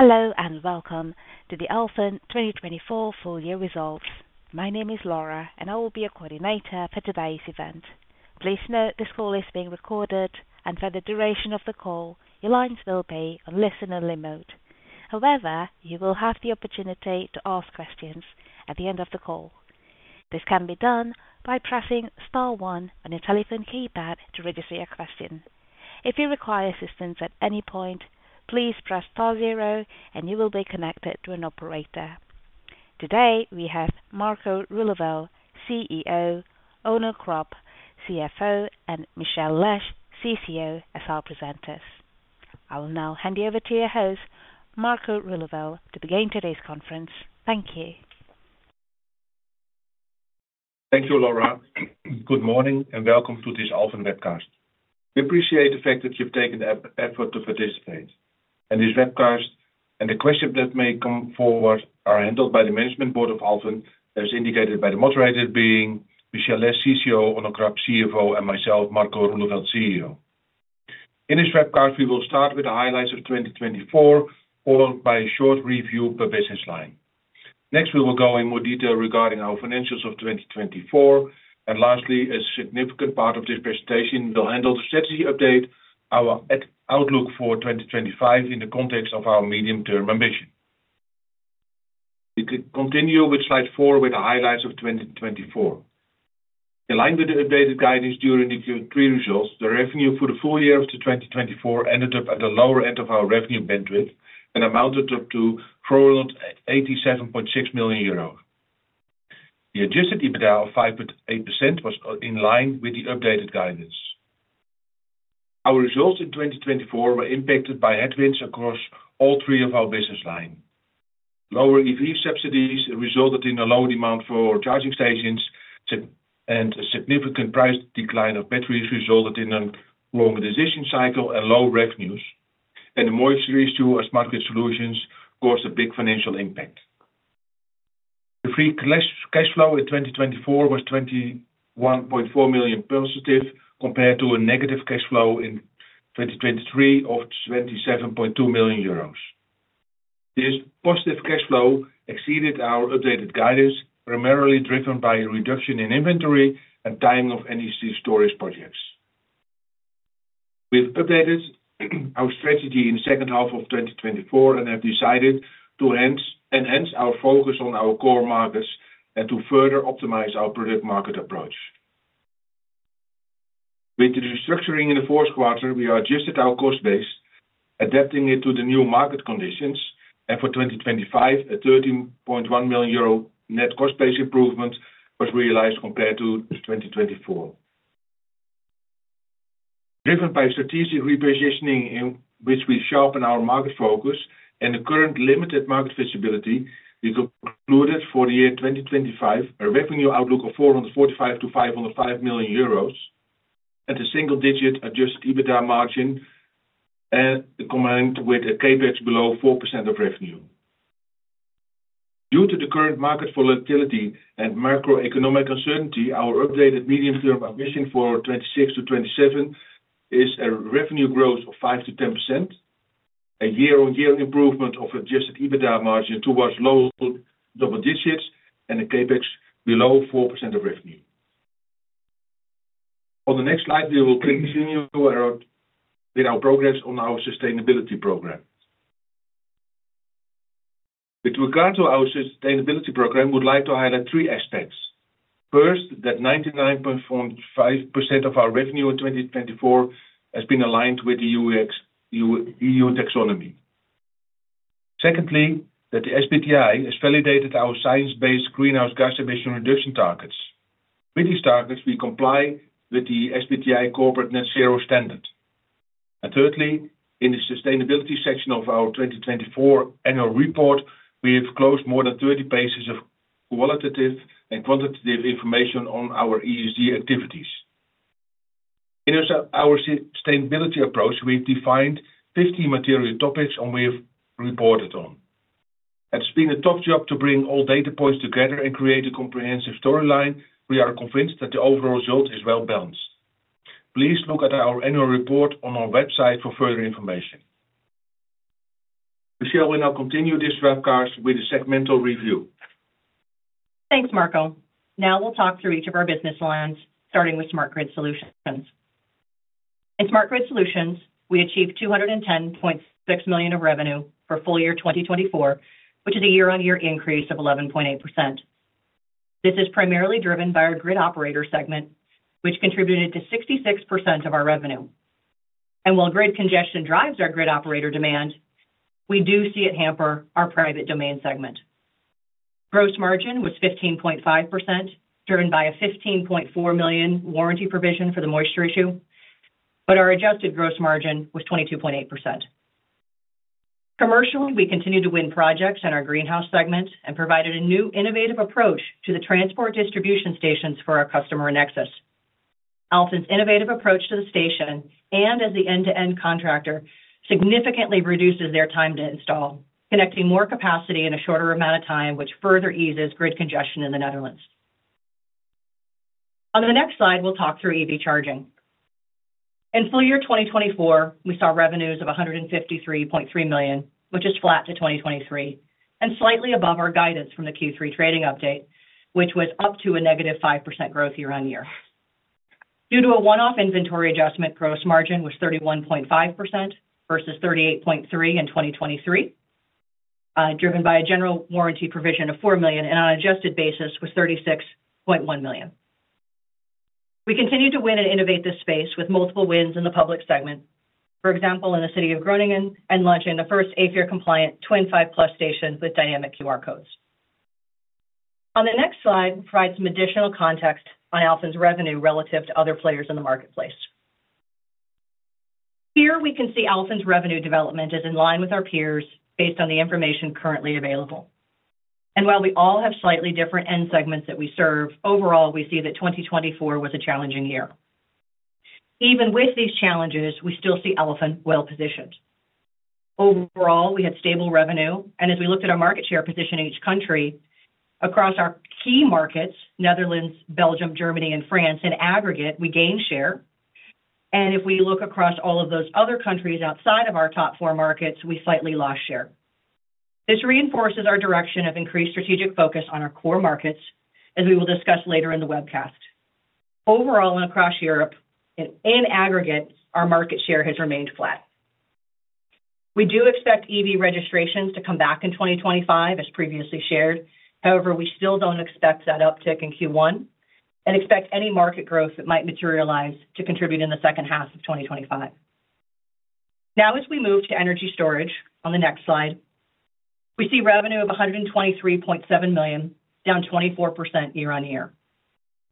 Hello and welcome to the Alfen 2024 full year results. My name is Laura, and I will be your coordinator for today's event. Please note this call is being recorded, and for the duration of the call, your lines will be on listen-only mode. However, you will have the opportunity to ask questions at the end of the call. This can be done by pressing star one on your telephone keypad to register your question. If you require assistance at any point, please press star zero, and you will be connected to an operator. Today we have Marco Roeleveld, CEO; Onno Krap, CFO; and Michelle Lesh, CCO, as our presenters. I will now hand you over to your host, Marco Roeleveld, to begin today's conference. Thank you. Thank you, Laura. Good morning and welcome to this Alfen webcast. We appreciate the fact that you've taken the effort to participate. This webcast and the questions that may come forward are handled by the management board of Alfen, as indicated by the moderator being Michelle Lesh, CCO, Onno Krap, CFO, and myself, Marco Roeleveld, CEO. In this webcast, we will start with the highlights of 2024, followed by a short review per business line. Next, we will go in more detail regarding our financials of 2024. Lastly, a significant part of this presentation will handle the strategy update, our outlook for 2025 in the context of our medium-term ambition. We continue with slide four with the highlights of 2024. In line with the updated guidance during the Q3 results, the revenue for the full year of 2024 ended up at the lower end of our revenue bandwidth and amounted up to 87.6 million euro. The adjusted EBITDA of 5.8% was in line with the updated guidance. Our results in 2024 were impacted by headwinds across all three of our business lines. Lower EV subsidies resulted in a lower demand for charging stations, and a significant price decline of batteries resulted in a longer decision cycle and low revenues. The more serious to our smart grid solutions caused a big financial impact. The free cash flow in 2024 was 21.4 million positive compared to a negative cash flow in 2023 of 27.2 million euros. This positive cash flow exceeded our updated guidance, primarily driven by a reduction in inventory and time of any storage projects. We have updated our strategy in the second half of 2024 and have decided to enhance our focus on our core markets and to further optimize our product-market approach. With the restructuring in the fourth quarter, we adjusted our cost base, adapting it to the new market conditions. For 2025, a 13.1 million euro net cost base improvement was realized compared to 2024. Driven by strategic repositioning, in which we sharpen our market focus and the current limited market feasibility, we concluded for the year 2025 a revenue outlook of 445-505 million euros and a single-digit adjusted EBITDA margin combined with a CapEx below 4% of revenue. Due to the current market volatility and macroeconomic uncertainty, our updated medium-term ambition for 2026-2027 is a revenue growth of 5%-10%, a year-on-year improvement of adjusted EBITDA margin towards low double digits, and a CapEx below 4% of revenue. On the next slide, we will continue with our progress on our sustainability program. With regard to our sustainability program, we would like to highlight three aspects. First, that 99.5% of our revenue in 2024 has been aligned with the EU taxonomy. Secondly, that the SBTi has validated our science-based greenhouse gas emission reduction targets. With these targets, we comply with the SBTi corporate net zero standard. Thirdly, in the sustainability section of our 2024 annual report, we have closed more than 30 pages of qualitative and quantitative information on our ESG activities. In our sustainability approach, we've defined 50 material topics on which we have reported on. It's been a tough job to bring all data points together and create a comprehensive storyline. We are convinced that the overall result is well balanced. Please look at our annual report on our website for further information. Michelle, we now continue this webcast with a segmental review. Thanks, Marco. Now we'll talk through each of our business lines, starting with smart grid solutions. In smart grid solutions, we achieved 210.6 million of revenue for full year 2024, which is a year-on-year increase of 11.8%. This is primarily driven by our grid operator segment, which contributed to 66% of our revenue. While grid congestion drives our grid operator demand, we do see it hamper our private domain segment. Gross margin was 15.5%, driven by a 15.4 million warranty provision for the moisture issue, but our adjusted gross margin was 22.8%. Commercially, we continue to win projects in our greenhouse segment and provided a new innovative approach to the transport distribution stations for our customer Enexis. Alfen's innovative approach to the station and as the end-to-end contractor significantly reduces their time to install, connecting more capacity in a shorter amount of time, which further eases grid congestion in the Netherlands. On the next slide, we'll talk through EV charging. In full year 2024, we saw revenues of 153.3 million, which is flat to 2023, and slightly above our guidance from the Q3 trading update, which was up to a -5% growth year-on-year. Due to a one-off inventory adjustment, gross margin was 31.5% versus 38.3% in 2023, driven by a general warranty provision of 4 million and on an adjusted basis was 36.1 million. We continue to win and innovate this space with multiple wins in the public segment, for example, in the city of Groningen and launching the first AFER-compliant Twin 5+ stations with dynamic QR codes. On the next slide, we'll provide some additional context on Alfen's revenue relative to other players in the marketplace. Here we can see Alfen's revenue development is in line with our peers based on the information currently available. While we all have slightly different end segments that we serve, overall, we see that 2024 was a challenging year. Even with these challenges, we still see Alfen well positioned. Overall, we had stable revenue. As we looked at our market share position in each country, across our key markets, Netherlands, Belgium, Germany, and France, in aggregate, we gained share. If we look across all of those other countries outside of our top four markets, we slightly lost share. This reinforces our direction of increased strategic focus on our core markets, as we will discuss later in the webcast. Overall, across Europe, in aggregate, our market share has remained flat. We do expect EV registrations to come back in 2025, as previously shared. However, we still do not expect that uptick in Q1 and expect any market growth that might materialize to contribute in the second half of 2025. Now, as we move to energy storage on the next slide, we see revenue of 123.7 million, down 24% year-on-year.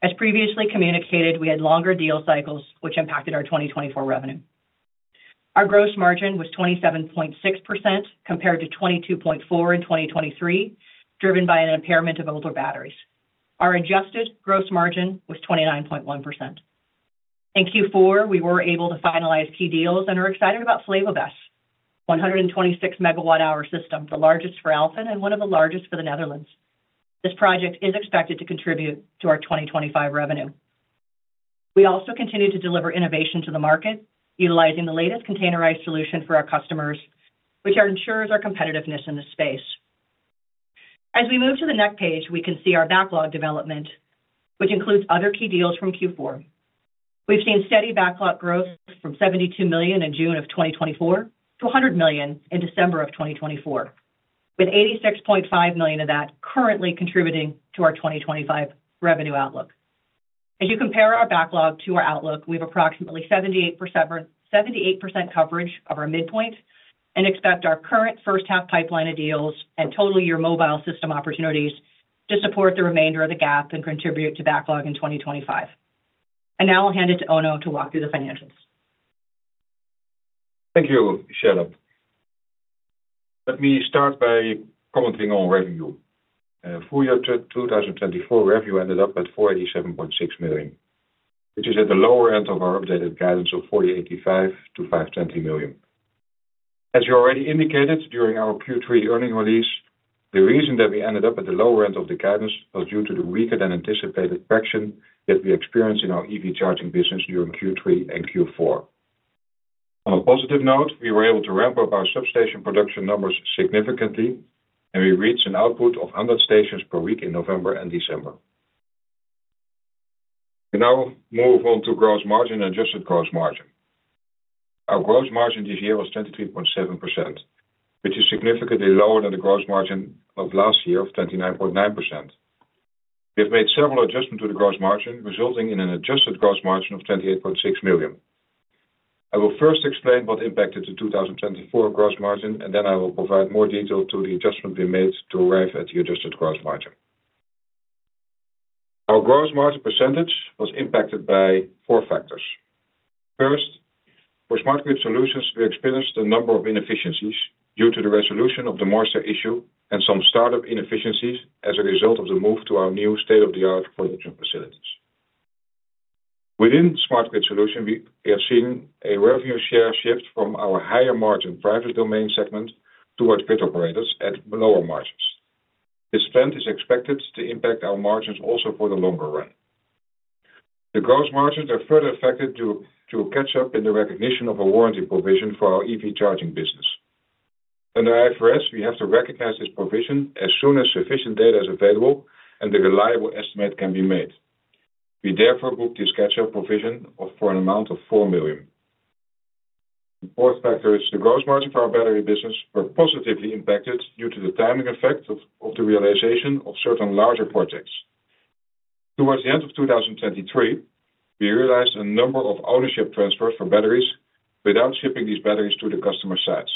As previously communicated, we had longer deal cycles, which impacted our 2024 revenue. Our gross margin was 27.6% compared to 22.4% in 2023, driven by an impairment of older batteries. Our adjusted gross margin was 29.1%. In Q4, we were able to finalize key deals and are excited about FlevoBESS, a 126 MW-hour system, the largest for Alfen and one of the largest for the Netherlands. This project is expected to contribute to our 2025 revenue. We also continue to deliver innovation to the market, utilizing the latest containerized solution for our customers, which ensures our competitiveness in this space. As we move to the next page, we can see our backlog development, which includes other key deals from Q4. We have seen steady backlog growth from 72 million in June of 2024 to 100 million in December of 2024, with 86.5 million of that currently contributing to our 2025 revenue outlook. As you compare our backlog to our outlook, we have approximately 78% coverage of our midpoint and expect our current first-half pipeline of deals and total year mobile system opportunities to support the remainder of the gap and contribute to backlog in 2025. I will now hand it to Onno to walk through the financials. Thank you, Michelle. Let me start by commenting on revenue. Full year 2024 revenue ended up at 487.6 million, which is at the lower end of our updated guidance of 485-520 million. As you already indicated during our Q3 earnings release, the reason that we ended up at the lower end of the guidance was due to the weaker-than-anticipated correction that we experienced in our EV charging business during Q3 and Q4. On a positive note, we were able to ramp up our substation production numbers significantly, and we reached an output of 100 stations per week in November and December. We now move on to gross margin and adjusted gross margin. Our gross margin this year was 23.7%, which is significantly lower than the gross margin of last year of 29.9%. We have made several adjustments to the gross margin, resulting in an adjusted gross margin of 28.6 million. I will first explain what impacted the 2024 gross margin, and then I will provide more detail to the adjustment we made to arrive at the adjusted gross margin. Our gross margin percentage was impacted by four factors. First, for smart grid solutions, we experienced a number of inefficiencies due to the resolution of the moisture issue and some startup inefficiencies as a result of the move to our new state-of-the-art production facilities. Within smart grid solutions, we have seen a revenue share shift from our higher-margin private domain segment towards grid operators at lower margins. This trend is expected to impact our margins also for the longer run. The gross margins are further affected due to catch-up in the recognition of a warranty provision for our EV charging business. Under IFRS, we have to recognize this provision as soon as sufficient data is available and the reliable estimate can be made. We therefore booked this catch-up provision for an amount of 4 million. The fourth factor is the gross margin for our battery business was positively impacted due to the timing effect of the realization of certain larger projects. Towards the end of 2023, we realized a number of ownership transfers for batteries without shipping these batteries to the customer sites.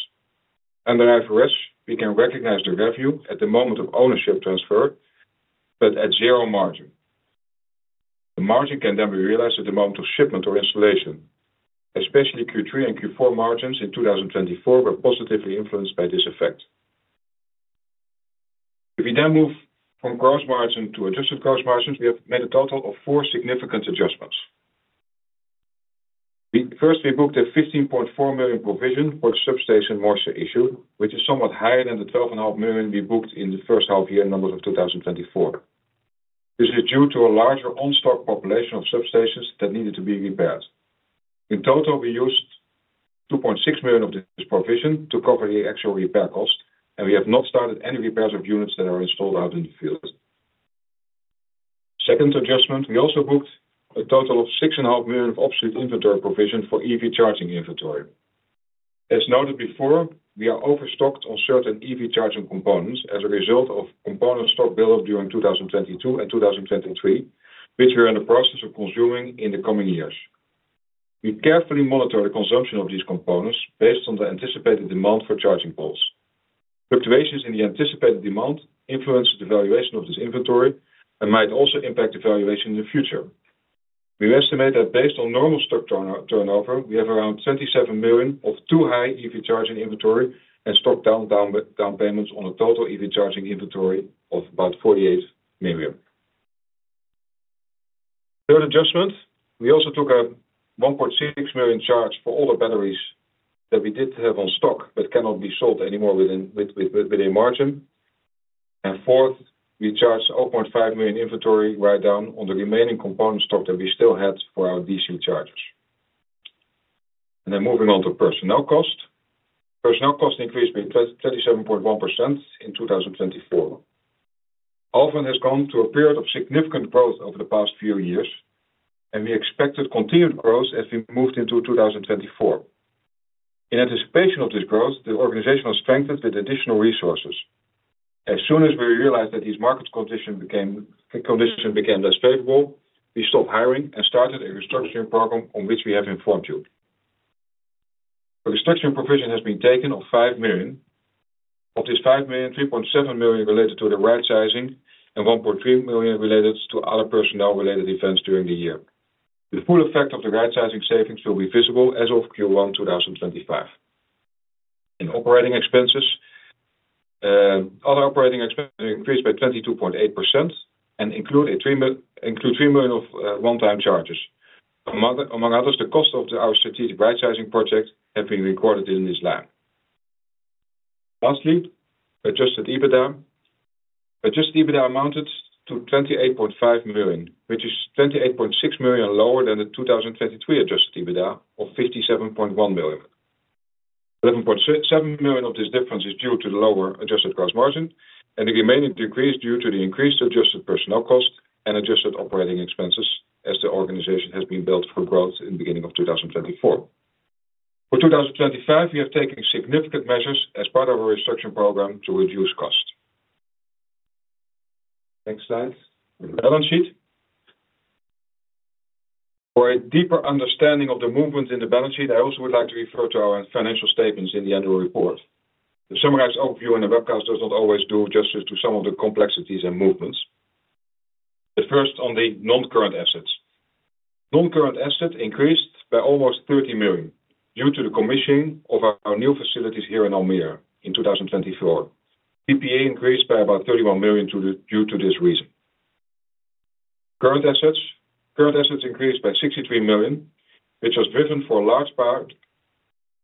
Under IFRS, we can recognize the revenue at the moment of ownership transfer, but at zero margin. The margin can then be realized at the moment of shipment or installation. Especially Q3 and Q4 margins in 2024 were positively influenced by this effect. If we then move from gross margin to adjusted gross margins, we have made a total of four significant adjustments. First, we booked a 15.4 million provision for the substation moisture issue, which is somewhat higher than the 12.5 million we booked in the first half-year numbers of 2024. This is due to a larger on-stock population of substations that needed to be repaired. In total, we used 2.6 million of this provision to cover the actual repair cost, and we have not started any repairs of units that are installed out in the field. Second adjustment, we also booked a total of 6.5 million of obsolete inventory provision for EV charging inventory. As noted before, we are overstocked on certain EV charging components as a result of component stock buildup during 2022 and 2023, which we are in the process of consuming in the coming years. We carefully monitor the consumption of these components based on the anticipated demand for charging poles. Fluctuations in the anticipated demand influence the valuation of this inventory and might also impact the valuation in the future. We estimate that based on normal stock turnover, we have around 27 million of too high EV charging inventory and stock down payments on a total EV charging inventory of about 48 million. Third adjustment, we also took a 1.6 million charge for all the batteries that we did have on stock but cannot be sold anymore with a margin. Fourth, we charged 0.5 million inventory write-down on the remaining component stock that we still had for our DC chargers. Moving on to personnel cost. Personnel cost increased by 27.1% in 2024. Alfen has gone through a period of significant growth over the past few years, and we expected continued growth as we moved into 2024. In anticipation of this growth, the organization was strengthened with additional resources. As soon as we realized that these market conditions became less favorable, we stopped hiring and started a restructuring program on which we have informed you. The restructuring provision has been taken of 5 million. Of this 5 million, 3.7 million related to the right-sizing and 1.3 million related to other personnel-related events during the year. The full effect of the right-sizing savings will be visible as of Q1 2025. In operating expenses, other operating expenses increased by 22.8% and include 3 million of one-time charges. Among others, the cost of our strategic right-sizing project has been recorded in this line. Lastly, adjusted EBITDA. Adjusted EBITDA amounted to 28.5 million, which is 28.6 million lower than the 2023 adjusted EBITDA of 57.1 million. 11.7 million of this difference is due to the lower adjusted gross margin, and the remaining decreased due to the increased adjusted personnel cost and adjusted operating expenses as the organization has been built for growth in the beginning of 2024. For 2025, we have taken significant measures as part of our restructuring program to reduce cost. Next slide. The balance sheet. For a deeper understanding of the movements in the balance sheet, I also would like to refer to our financial statements in the annual report. The summarized overview in the webcast does not always do justice to some of the complexities and movements. First, on the non-current assets. Non-current assets increased by almost 30 million due to the commissioning of our new facilities here in Almere in 2024. PPA increased by about 31 million due to this reason. Current assets. Current assets increased by 63 million, which was driven for a large part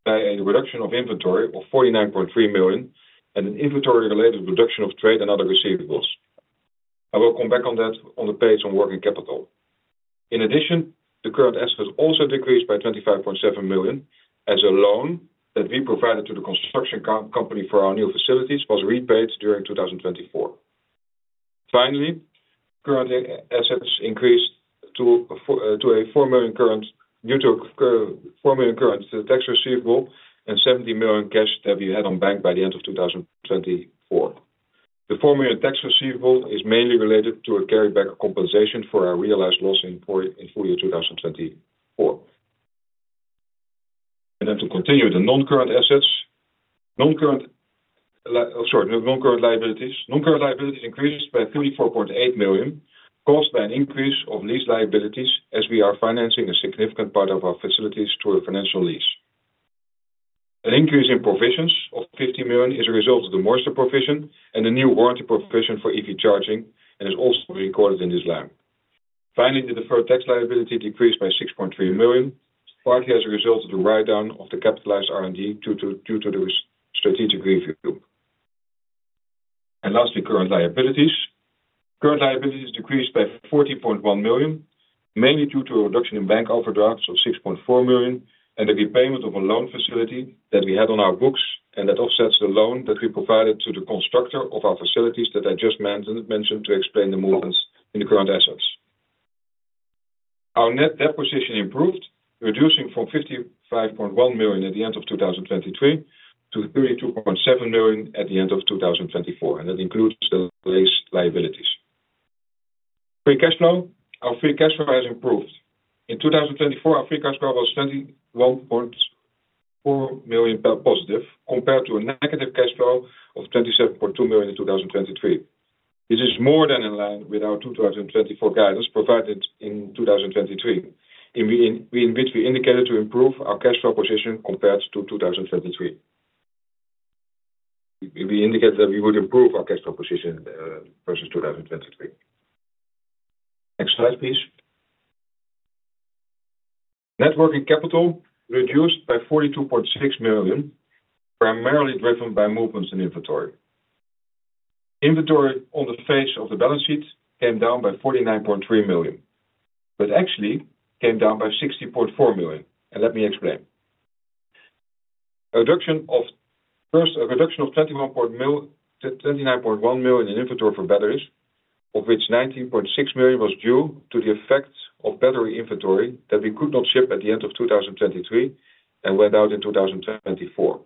by a reduction of inventory of 49.3 million and an inventory-related reduction of trade and other receivables. I will come back on that on the page on working capital. In addition, the current assets also decreased by 25.7 million as a loan that we provided to the construction company for our new facilities was repaid during 2024. Finally, current assets increased to a 4 million current tax receivable and 70 million cash that we had on bank by the end of 2024. The 4 million tax receivable is mainly related to a carryback compensation for our realized loss in full year 2024. To continue with the non-current assets. Non-current liabilities. Non-current liabilities increased by 34.8 million caused by an increase of lease liabilities as we are financing a significant part of our facilities through a financial lease. An increase in provisions of 50 million is a result of the moisture provision and the new warranty provision for EV charging and is also recorded in this line. Finally, the deferred tax liability decreased by 6.3 million partly as a result of the write-down of the capitalized R&D due to the strategic review. Lastly, current liabilities. Current liabilities decreased by 14.1 million, mainly due to a reduction in bank overdrafts of 6.4 million and the repayment of a loan facility that we had on our books and that offsets the loan that we provided to the constructor of our facilities that I just mentioned to explain the movements in the current assets. Our net deposition improved, reducing from 55.1 million at the end of 2023 to 32.7 million at the end of 2024, and that includes the lease liabilities. Free cash flow. Our free cash flow has improved. In 2024, our free cash flow was 21.4 million positive compared to a negative cash flow of 27.2 million in 2023. This is more than in line with our 2024 guidance provided in 2023, in which we indicated to improve our cash flow position compared to 2023. We indicated that we would improve our cash flow position versus 2023. Next slide, please. Networking capital reduced by 42.6 million, primarily driven by movements in inventory. Inventory on the face of the balance sheet came down by 49.3 million, but actually came down by 60.4 million. And let me explain. First, a reduction of 29.1 million in inventory for batteries, of which 19.6 million was due to the effect of battery inventory that we could not ship at the end of 2023 and went out in 2024.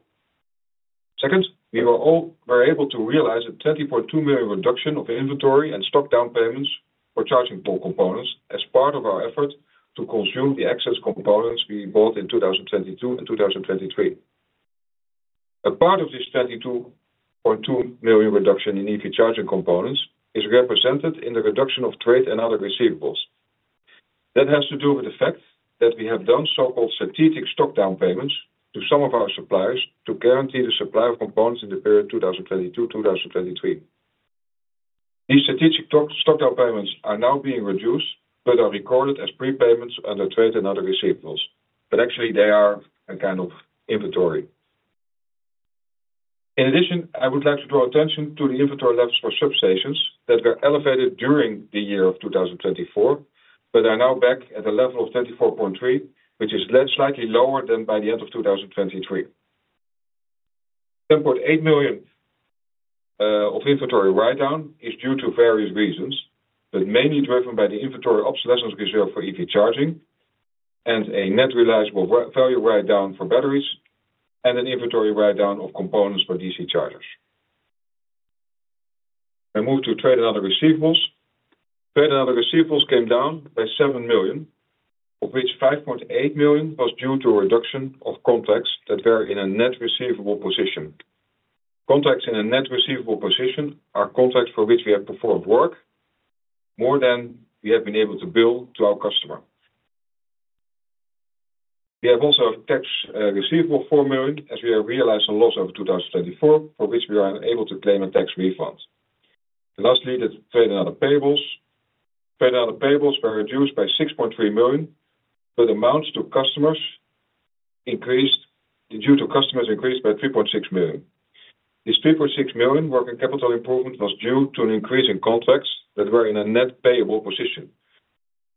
Second, we were able to realize a 20.2 million reduction of inventory and stock down payments for charging components as part of our effort to consume the excess components we bought in 2022 and 2023. A part of this 22.2 million reduction in EV charging components is represented in the reduction of trade and other receivables. That has to do with the fact that we have done so-called strategic stock down payments to some of our suppliers to guarantee the supply of components in the period 2022-2023. These strategic stock down payments are now being reduced but are recorded as prepayments under trade and other receivables, but actually they are a kind of inventory. In addition, I would like to draw attention to the inventory levels for substations that were elevated during the year of 2024, but are now back at a level of 24.3 million, which is slightly lower than by the end of 2023. 10.8 million of inventory write-down is due to various reasons, but mainly driven by the inventory obsolescence reserve for EV charging and a net realizable value write-down for batteries and an inventory write-down of components for DC chargers. I move to trade and other receivables. Trade and other receivables came down by 7 million, of which 5.8 million was due to a reduction of contracts that were in a net receivable position. Contracts in a net receivable position are contracts for which we have performed work more than we have been able to bill to our customer. We have also a tax receivable of EUR 4 million as we have realized a loss of 2024 for which we are unable to claim a tax refund. Lastly, the trade and other payables. Trade and other payables were reduced by 6.3 million, but amounts to customers increased due to customers increased by 3.6 million. This 3.6 million working capital improvement was due to an increase in contracts that were in a net payable position.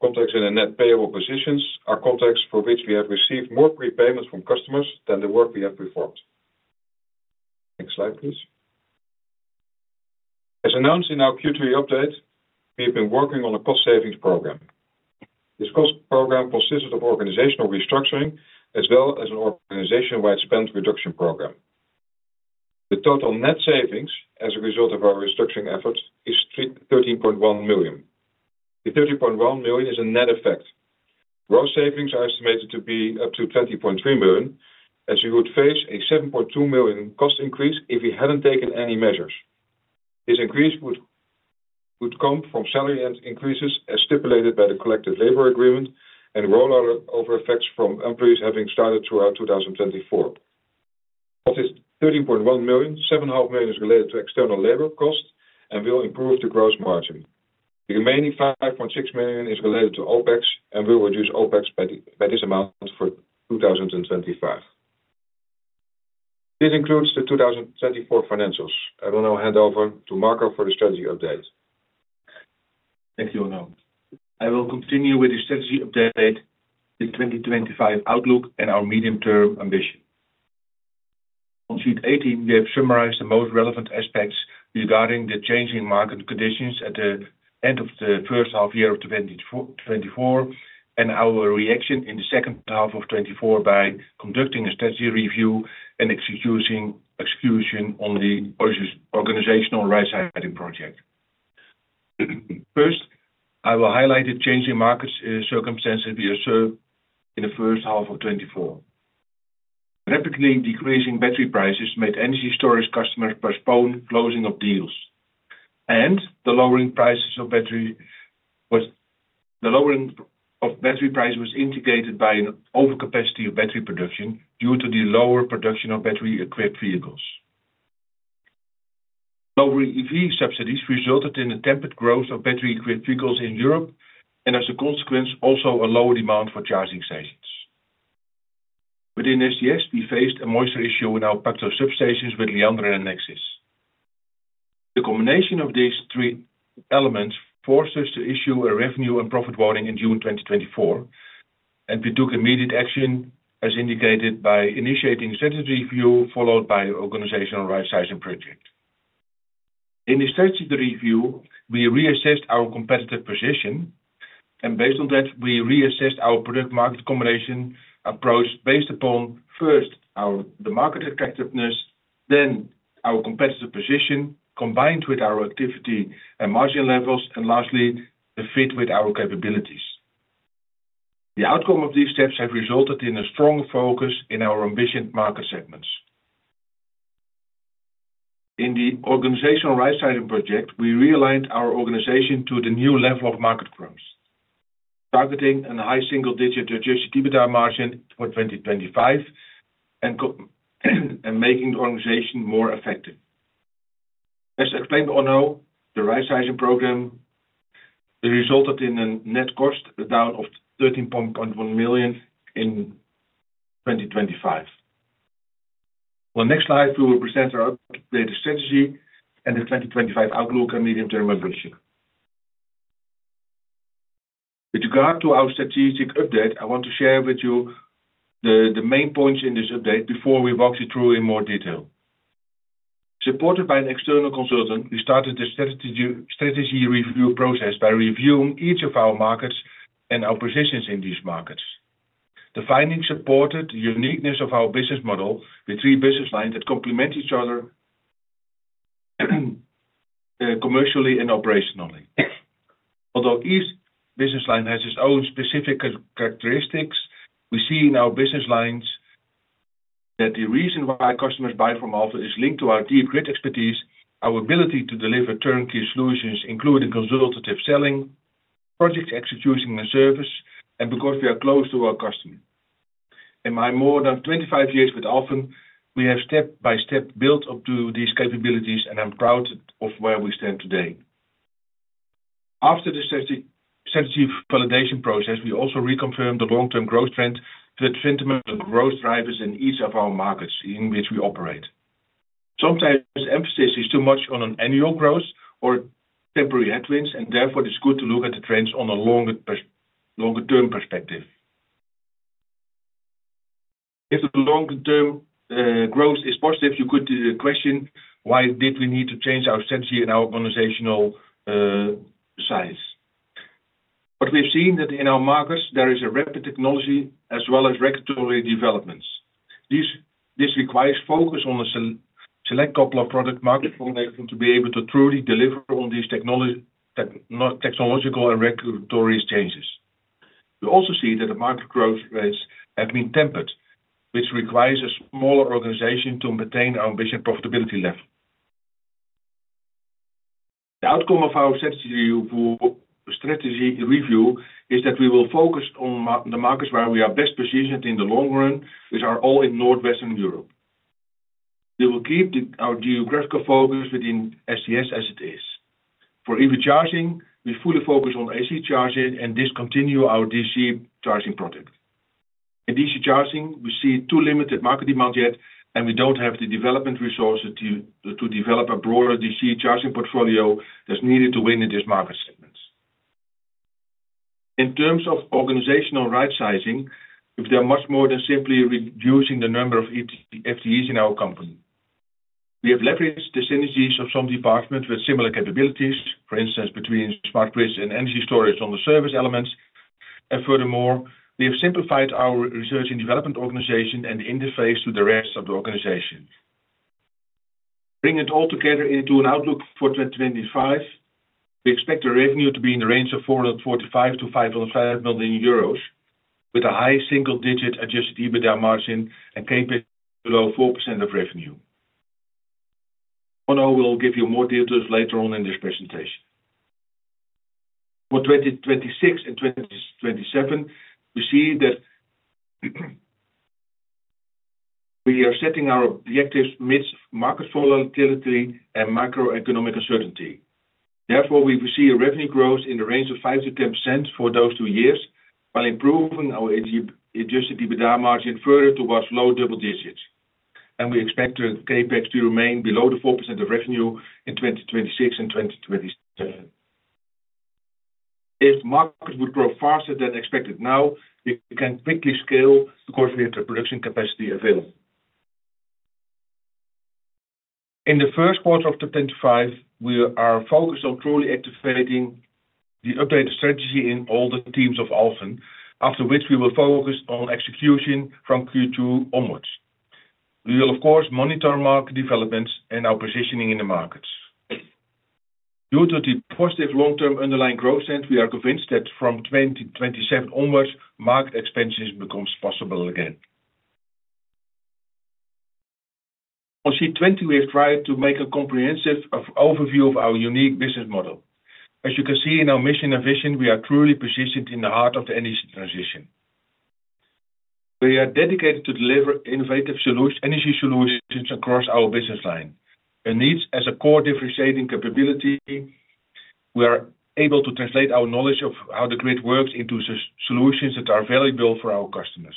Contracts in a net payable position are contracts for which we have received more prepayments from customers than the work we have performed. Next slide, please. As announced in our Q3 update, we have been working on a cost savings program. This cost program consisted of organizational restructuring as well as an organization-wide spend reduction program. The total net savings as a result of our restructuring effort is 13.1 million. The 13.1 million is a net effect. Gross savings are estimated to be up to 20.3 million, as we would face a 7.2 million cost increase if we had not taken any measures. This increase would come from salary increases as stipulated by the collective labor agreement and rollout of effects from employees having started throughout 2024. Of this 13.1 million, 7.5 million is related to external labor cost and will improve the gross margin. The remaining 5.6 million is related to OpEx and will reduce OpEx by this amount for 2025. This includes the 2024 financials. I will now hand over to Marco for the strategy update. Thank you, Onno. I will continue with the strategy update, the 2025 outlook, and our medium-term ambition. On sheet 18, we have summarized the most relevant aspects regarding the changing market conditions at the end of the first half year of 2024 and our reaction in the second half of 2024 by conducting a strategy review and execution on the organizational right-sizing project. First, I will highlight the changing market circumstances we observed in the first half of 2024. Rapidly decreasing battery prices made energy storage customers postpone closing of deals, and the lowering of battery prices was indicated by an overcapacity of battery production due to the lower production of battery-equipped vehicles. Lower EV subsidies resulted in a tempered growth of battery-equipped vehicles in Europe and, as a consequence, also a lower demand for charging stations. Within SGS, we faced a moisture issue in our Pacto substations with Liander and Enexis. The combination of these three elements forced us to issue a revenue and profit warning in June 2024, and we took immediate action as indicated by initiating a strategy review followed by an organizational right-sizing project. In the strategy review, we reassessed our competitive position, and based on that, we reassessed our product-market combination approach based upon, first, the market attractiveness, then our competitive position combined with our activity and margin levels, and lastly, the fit with our capabilities. The outcome of these steps has resulted in a strong focus in our ambitious market segments. In the organizational right-sizing project, we realigned our organization to the new level of market growth, targeting a high single-digit EBITDA margin for 2025 and making the organization more effective. As explained by Onno, the right-sizing program resulted in a net cost down of 13.1 million in 2025. On the next slide, we will present our updated strategy and the 2025 outlook and medium-term ambition. With regard to our strategic update, I want to share with you the main points in this update before we walk you through in more detail. Supported by an external consultant, we started the strategy review process by reviewing each of our markets and our positions in these markets. The findings supported the uniqueness of our business model with three business lines that complement each other commercially and operationally. Although each business line has its own specific characteristics, we see in our business lines that the reason why customers buy from Alfen is linked to our deep grid expertise, our ability to deliver turnkey solutions, including consultative selling, project execution, and service, and because we are close to our customers. In my more than 25 years with Alfen, we have step by step built up to these capabilities, and I'm proud of where we stand today. After the strategy validation process, we also reconfirmed the long-term growth trend to the sentiment of growth drivers in each of our markets in which we operate. Sometimes emphasis is too much on annual growth or temporary headwinds, and therefore it's good to look at the trends on a longer-term perspective. If the long-term growth is positive, you could question why did we need to change our strategy and our organizational size. We have seen that in our markets, there is a rapid technology as well as regulatory developments. This requires focus on a select couple of product markets to be able to truly deliver on these technological and regulatory changes. We also see that the market growth rates have been tempered, which requires a smaller organization to maintain our ambition profitability level. The outcome of our strategy review is that we will focus on the markets where we are best positioned in the long run, which are all in Northwestern Europe. We will keep our geographical focus within SGS as it is. For EV charging, we fully focus on AC charging and discontinue our DC charging project. In DC charging, we see too limited market demand yet, and we don't have the development resources to develop a broader DC charging portfolio that's needed to win in these market segments. In terms of organizational right-sizing, we've done much more than simply reducing the number of FTEs in our company. We have leveraged the synergies of some departments with similar capabilities, for instance, between smart grids and energy storage on the service elements. Furthermore, we have simplified our research and development organization and interface to the rest of the organization. Bringing it all together into an outlook for 2025, we expect the revenue to be in the range of 445 million-505 million euros with a high single-digit adjusted EBITDA margin and CapEx below 4% of revenue. Onno will give you more details later on in this presentation. For 2026 and 2027, we see that we are setting our objectives amidst market volatility and macroeconomic uncertainty. Therefore, we foresee a revenue growth in the range of 5%-10% for those two years while improving our adjusted EBITDA margin further towards low double digits. We expect the CapEx to remain below the 4% of revenue in 2026 and 2027. If markets would grow faster than expected now, we can quickly scale because we have the production capacity available. In the first quarter of 2025, we are focused on truly activating the updated strategy in all the teams of Alfen, after which we will focus on execution from Q2 onwards. We will, of course, monitor market developments and our positioning in the markets. Due to the positive long-term underlying growth trend, we are convinced that from 2027 onwards, market expansion becomes possible again. On sheet 20, we have tried to make a comprehensive overview of our unique business model. As you can see in our mission and vision, we are truly positioned in the heart of the energy transition. We are dedicated to delivering innovative energy solutions across our business line. Needs as a core differentiating capability, we are able to translate our knowledge of how the grid works into solutions that are valuable for our customers.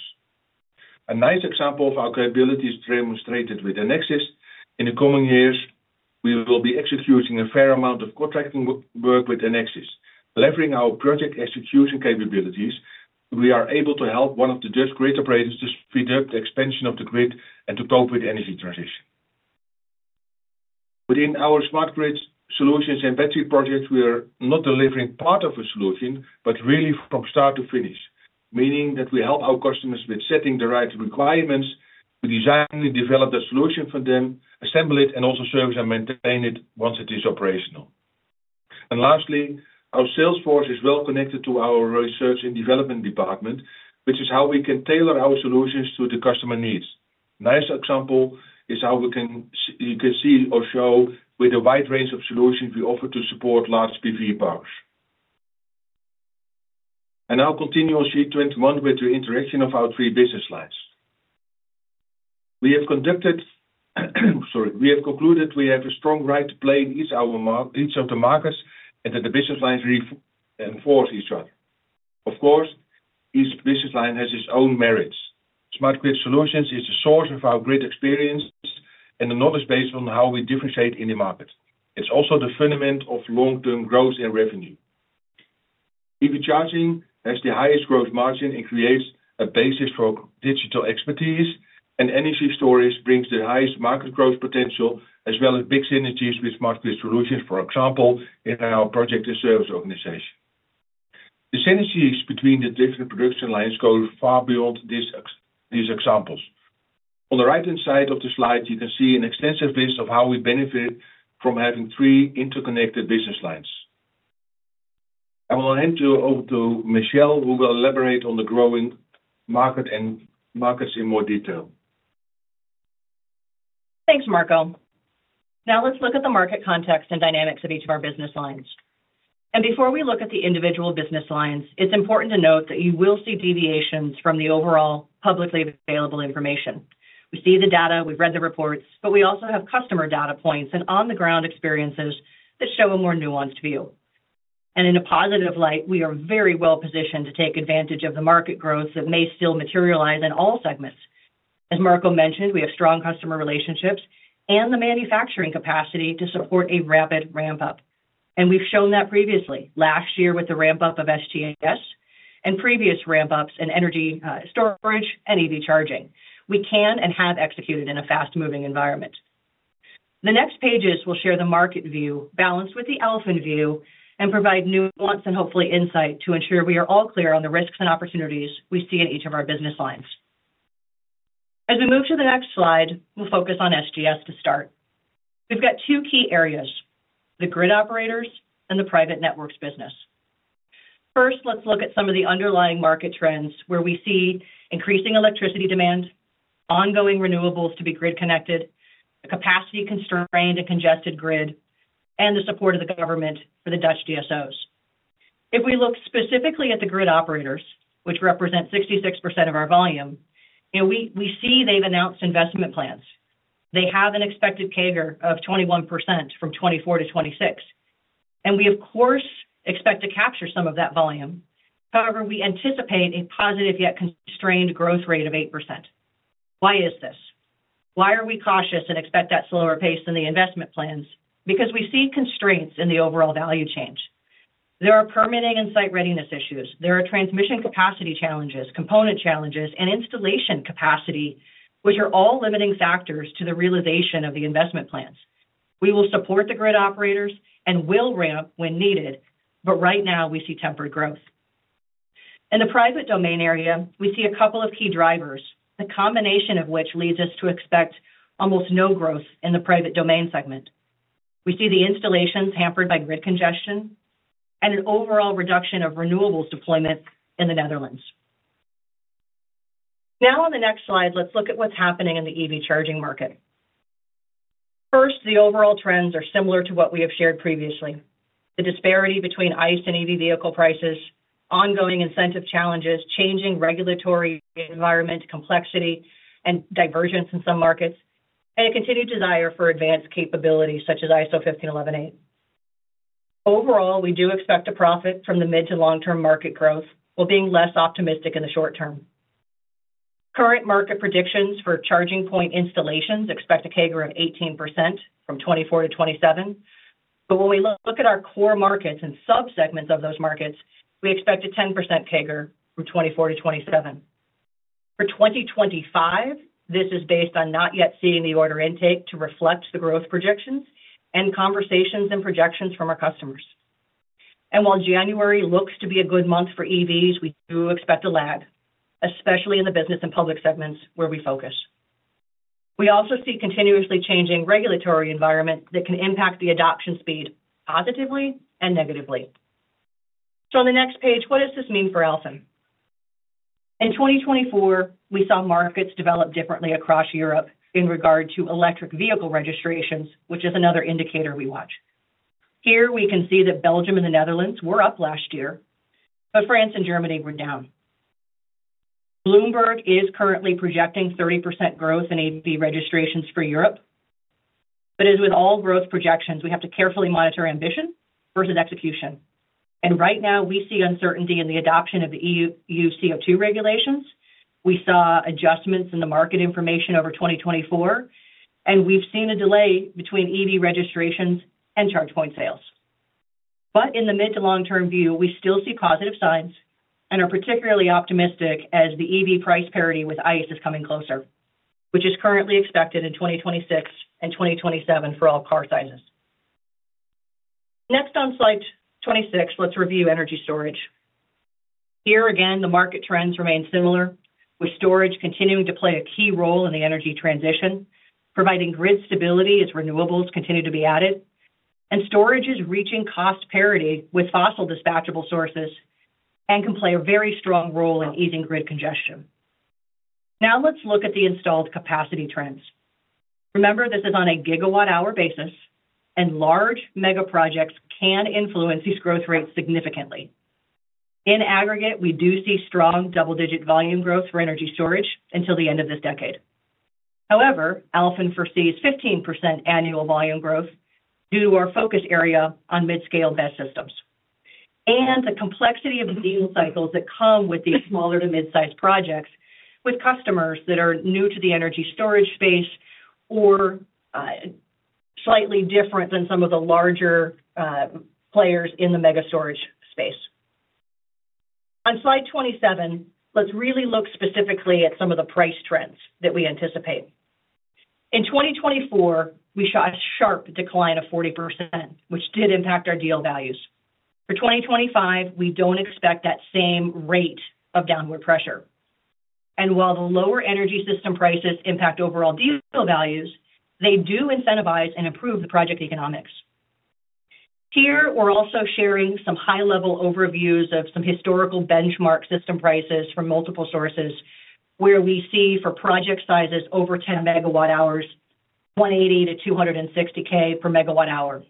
A nice example of our capability is demonstrated with Enexis. In the coming years, we will be executing a fair amount of contracting work with Enexis. Leveraging our project execution capabilities, we are able to help one of the Dutch grid operators to speed up the expansion of the grid and to cope with the energy transition. Within our smart grid solutions and battery projects, we are not delivering part of a solution, but really from start to finish, meaning that we help our customers with setting the right requirements, designing and developing the solution for them, assembling it, and also servicing and maintaining it once it is operational. Lastly, our sales force is well connected to our research and development department, which is how we can tailor our solutions to the customer needs. A nice example is how we can see or show with a wide range of solutions we offer to support large PV powers. I now continue on sheet 21 with the interaction of our three business lines. We have concluded we have a strong right to play in each of the markets and that the business lines reinforce each other. Of course, each business line has its own merits. Smart Grid Solutions is the source of our grid experience and the knowledge based on how we differentiate in the market. It is also the fundament of long-term growth and revenue. EV charging has the highest growth margin and creates a basis for digital expertise, and energy storage brings the highest market growth potential as well as big synergies with smart grid solutions, for example, in our project and service organization. The synergies between the different production lines go far beyond these examples. On the right-hand side of the slide, you can see an extensive list of how we benefit from having three interconnected business lines. I will hand you over to Michelle, who will elaborate on the growing markets in more detail. Thanks, Marco. Now let's look at the market context and dynamics of each of our business lines. Before we look at the individual business lines, it's important to note that you will see deviations from the overall publicly available information. We see the data, we've read the reports, but we also have customer data points and on-the-ground experiences that show a more nuanced view. In a positive light, we are very well positioned to take advantage of the market growth that may still materialize in all segments. As Marco mentioned, we have strong customer relationships and the manufacturing capacity to support a rapid ramp-up. We've shown that previously, last year with the ramp-up of SGS and previous ramp-ups in energy storage and EV charging. We can and have executed in a fast-moving environment. The next pages will share the market view balanced with the Alfen view and provide nuance and hopefully insight to ensure we are all clear on the risks and opportunities we see in each of our business lines. As we move to the next slide, we'll focus on SGS to start. We've got two key areas: the grid operators and the private networks business. First, let's look at some of the underlying market trends where we see increasing electricity demand, ongoing renewables to be grid-connected, a capacity-constrained and congested grid, and the support of the government for the Dutch DSOs. If we look specifically at the grid operators, which represent 66% of our volume, we see they've announced investment plans. They have an expected CAGR of 21% from 2024-2026. And we, of course, expect to capture some of that volume. However, we anticipate a positive yet constrained growth rate of 8%. Why is this? Why are we cautious and expect that slower pace than the investment plans? Because we see constraints in the overall value chain. There are permitting and site readiness issues. There are transmission capacity challenges, component challenges, and installation capacity, which are all limiting factors to the realization of the investment plans. We will support the grid operators and will ramp when needed, but right now we see tempered growth. In the private domain area, we see a couple of key drivers, the combination of which leads us to expect almost no growth in the private domain segment. We see the installations hampered by grid congestion and an overall reduction of renewables deployment in the Netherlands. Now, on the next slide, let's look at what's happening in the EV charging market. First, the overall trends are similar to what we have shared previously: the disparity between ICE and EV vehicle prices, ongoing incentive challenges, changing regulatory environment complexity and divergence in some markets, and a continued desire for advanced capabilities such as ISO 15118. Overall, we do expect a profit from the mid to long-term market growth while being less optimistic in the short term. Current market predictions for charging point installations expect a CAGR of 18% from 2024-2027. When we look at our core markets and subsegments of those markets, we expect a 10% CAGR from 2024-2027. For 2025, this is based on not yet seeing the order intake to reflect the growth projections and conversations and projections from our customers. While January looks to be a good month for EVs, we do expect a lag, especially in the business and public segments where we focus. We also see continuously changing regulatory environments that can impact the adoption speed positively and negatively. On the next page, what does this mean for Alfen? In 2024, we saw markets develop differently across Europe in regard to electric vehicle registrations, which is another indicator we watch. Here we can see that Belgium and the Netherlands were up last year, but France and Germany were down. Bloomberg is currently projecting 30% growth in EV registrations for Europe. As with all growth projections, we have to carefully monitor ambition versus execution. Right now, we see uncertainty in the adoption of the EU CO2 regulations. We saw adjustments in the market information over 2024, and we've seen a delay between EV registrations and charge point sales. In the mid to long-term view, we still see positive signs and are particularly optimistic as the EV price parity with ICE is coming closer, which is currently expected in 2026 and 2027 for all car sizes. Next, on slide 26, let's review energy storage. Here again, the market trends remain similar, with storage continuing to play a key role in the energy transition, providing grid stability as renewables continue to be added, and storage is reaching cost parity with fossil dispatchable sources and can play a very strong role in easing grid congestion. Now let's look at the installed capacity trends. Remember, this is on a gigawatt-hour basis, and large mega projects can influence these growth rates significantly. In aggregate, we do see strong double-digit volume growth for energy storage until the end of this decade. However, Alfen foresees 15% annual volume growth due to our focus area on mid-scale BESS systems and the complexity of the deal cycles that come with these smaller to mid-sized projects with customers that are new to the energy storage space or slightly different than some of the larger players in the mega storage space. On slide 27, let's really look specifically at some of the price trends that we anticipate. In 2024, we saw a sharp decline of 40%, which did impact our deal values. For 2025, we do not expect that same rate of downward pressure. While the lower energy system prices impact overall deal values, they do incentivize and improve the project economics. Here, we are also sharing some high-level overviews of some historical benchmark system prices from multiple sources where we see for project sizes over 10 MW hours, 180,000-260,000 per megawatt hour.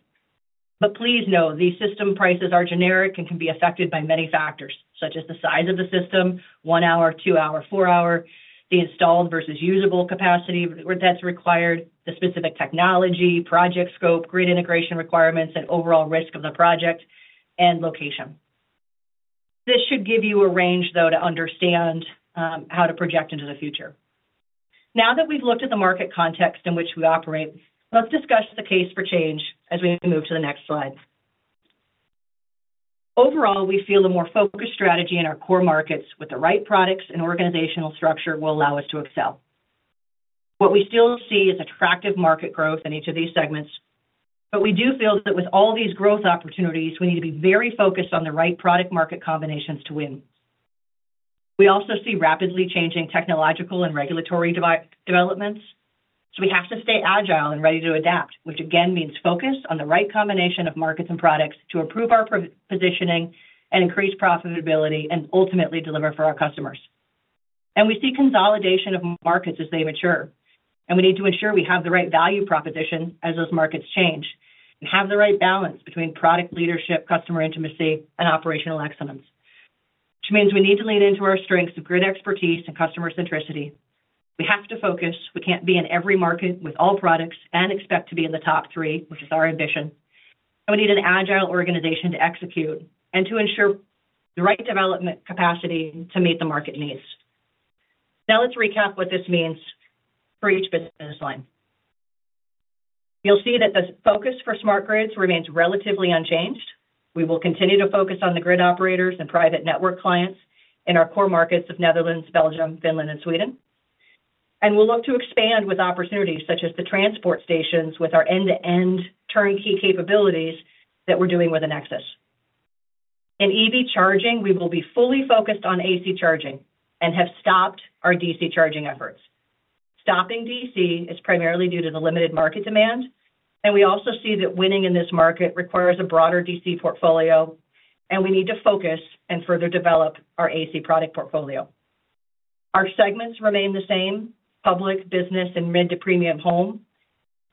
Please note, these system prices are generic and can be affected by many factors, such as the size of the system, one-hour, two-hour, four-hour, the installed versus usable capacity that is required, the specific technology, project scope, grid integration requirements, and overall risk of the project and location. This should give you a range, though, to understand how to project into the future. Now that we've looked at the market context in which we operate, let's discuss the case for change as we move to the next slide. Overall, we feel the more focused strategy in our core markets with the right products and organizational structure will allow us to excel. What we still see is attractive market growth in each of these segments, but we do feel that with all these growth opportunities, we need to be very focused on the right product-market combinations to win. We also see rapidly changing technological and regulatory developments, so we have to stay agile and ready to adapt, which again means focus on the right combination of markets and products to improve our positioning and increase profitability and ultimately deliver for our customers. We see consolidation of markets as they mature, and we need to ensure we have the right value proposition as those markets change and have the right balance between product leadership, customer intimacy, and operational excellence, which means we need to lean into our strengths of grid expertise and customer centricity. We have to focus. We can't be in every market with all products and expect to be in the top three, which is our ambition. We need an agile organization to execute and to ensure the right development capacity to meet the market needs. Now let's recap what this means for each business line. You'll see that the focus for smart grids remains relatively unchanged. We will continue to focus on the grid operators and private network clients in our core markets of Netherlands, Belgium, Finland, and Sweden. We will look to expand with opportunities such as the transport stations with our end-to-end turnkey capabilities that we are doing with Enexis. In EV charging, we will be fully focused on AC charging and have stopped our DC charging efforts. Stopping DC is primarily due to the limited market demand, and we also see that winning in this market requires a broader DC portfolio, and we need to focus and further develop our AC product portfolio. Our segments remain the same: public, business, and mid-to-premium home,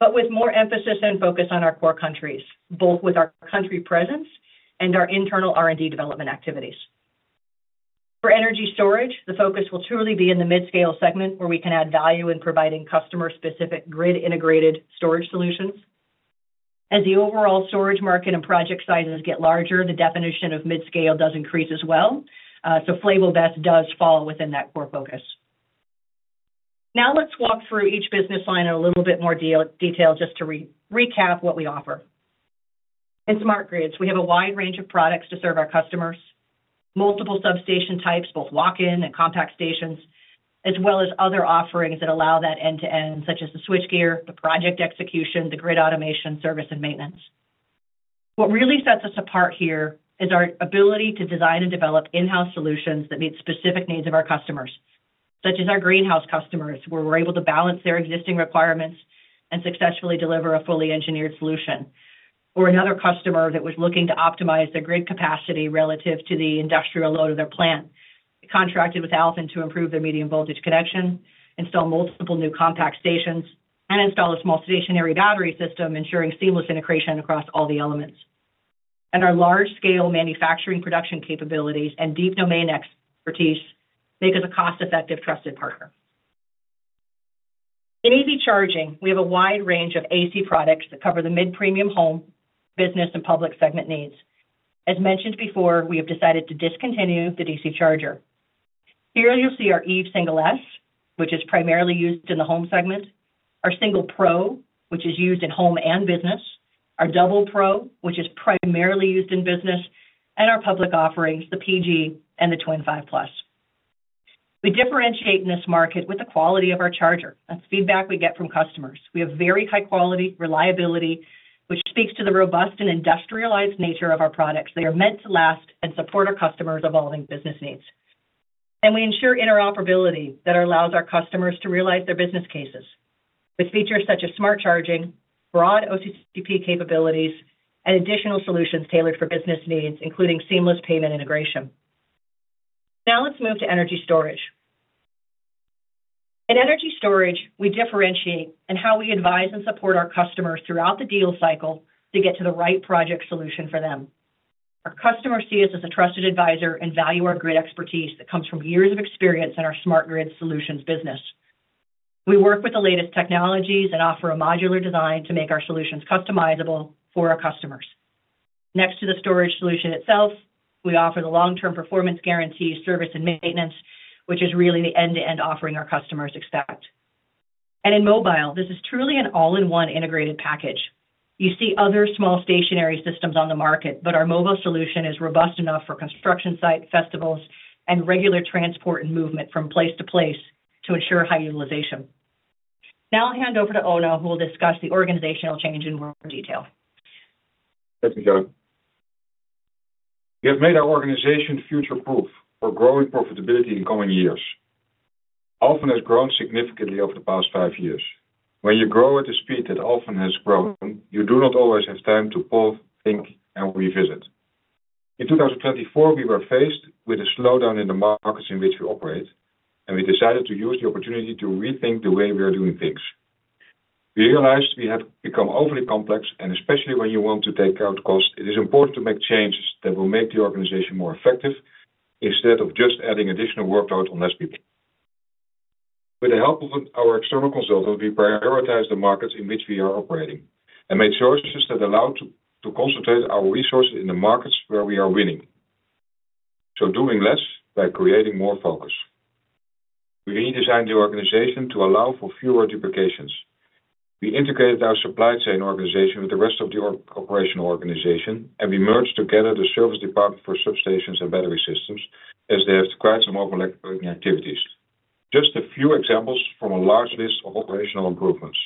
but with more emphasis and focus on our core countries, both with our country presence and our internal R&D development activities. For energy storage, the focus will truly be in the mid-scale segment where we can add value in providing customer-specific grid-integrated storage solutions. As the overall storage market and project sizes get larger, the definition of mid-scale does increase as well. Flavo Best does fall within that core focus. Now let's walk through each business line in a little bit more detail just to recap what we offer. In smart grids, we have a wide range of products to serve our customers: multiple substation types, both walk-in and compact stations, as well as other offerings that allow that end-to-end, such as the switchgear, the project execution, the grid automation service, and maintenance. What really sets us apart here is our ability to design and develop in-house solutions that meet specific needs of our customers, such as our greenhouse customers, where we're able to balance their existing requirements and successfully deliver a fully engineered solution. Or another customer that was looking to optimize their grid capacity relative to the industrial load of their plant. They contracted with Alfen to improve their medium-voltage connection, install multiple new compact stations, and install a small stationary battery system, ensuring seamless integration across all the elements. Our large-scale manufacturing production capabilities and deep domain expertise make us a cost-effective, trusted partner. In EV charging, we have a wide range of AC products that cover the mid-premium home, business, and public segment needs. As mentioned before, we have decided to discontinue the DC charger. Here you'll see our Eve Single S, which is primarily used in the home segment, our Single Pro, which is used in home and business, our Double Pro, which is primarily used in business, and our public offerings, the PG and the Twin 5 Plus. We differentiate in this market with the quality of our charger. That's feedback we get from customers. We have very high quality, reliability, which speaks to the robust and industrialized nature of our products. They are meant to last and support our customers' evolving business needs. We ensure interoperability that allows our customers to realize their business cases with features such as smart charging, broad OCCP capabilities, and additional solutions tailored for business needs, including seamless payment integration. Now let's move to energy storage. In energy storage, we differentiate in how we advise and support our customers throughout the deal cycle to get to the right project solution for them. Our customers see us as a trusted advisor and value our grid expertise that comes from years of experience in our smart grid solutions business. We work with the latest technologies and offer a modular design to make our solutions customizable for our customers. Next to the storage solution itself, we offer the long-term performance guarantee, service, and maintenance, which is really the end-to-end offering our customers expect. In mobile, this is truly an all-in-one integrated package. You see other small stationary systems on the market, but our mobile solution is robust enough for construction sites, festivals, and regular transport and movement from place to place to ensure high utilization. Now I'll hand over to Onno, who will discuss the organizational change in more detail. Thank you. We have made our organization future-proof for growing profitability in coming years. Alfen has grown significantly over the past five years. When you grow at the speed that Alfen has grown, you do not always have time to pause, think, and revisit. In 2024, we were faced with a slowdown in the markets in which we operate, and we decided to use the opportunity to rethink the way we are doing things. We realized we had become overly complex, and especially when you want to take out costs, it is important to make changes that will make the organization more effective instead of just adding additional workload on less people. With the help of our external consultant, we prioritized the markets in which we are operating and made choices that allowed us to concentrate our resources in the markets where we are winning. Doing less by creating more focus. We redesigned the organization to allow for fewer duplications. We integrated our supply chain organization with the rest of the operational organization, and we merged together the service department for substations and battery systems as they have quite some overlapping activities. Just a few examples from a large list of operational improvements.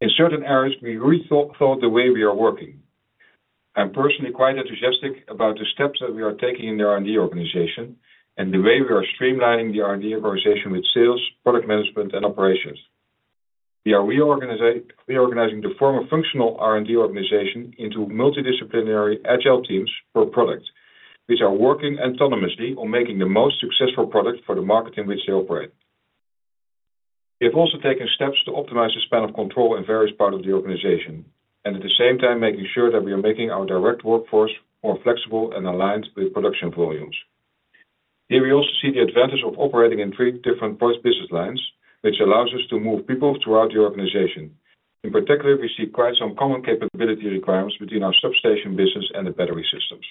In certain areas, we rethought the way we are working. I'm personally quite enthusiastic about the steps that we are taking in the R&D organization and the way we are streamlining the R&D organization with sales, product management, and operations. We are reorganizing the former functional R&D organization into multidisciplinary agile teams per product, which are working autonomously on making the most successful product for the market in which they operate. We have also taken steps to optimize the span of control in various parts of the organization and at the same time making sure that we are making our direct workforce more flexible and aligned with production volumes. Here we also see the advantage of operating in three different business lines, which allows us to move people throughout the organization. In particular, we see quite some common capability requirements between our substation business and the battery systems.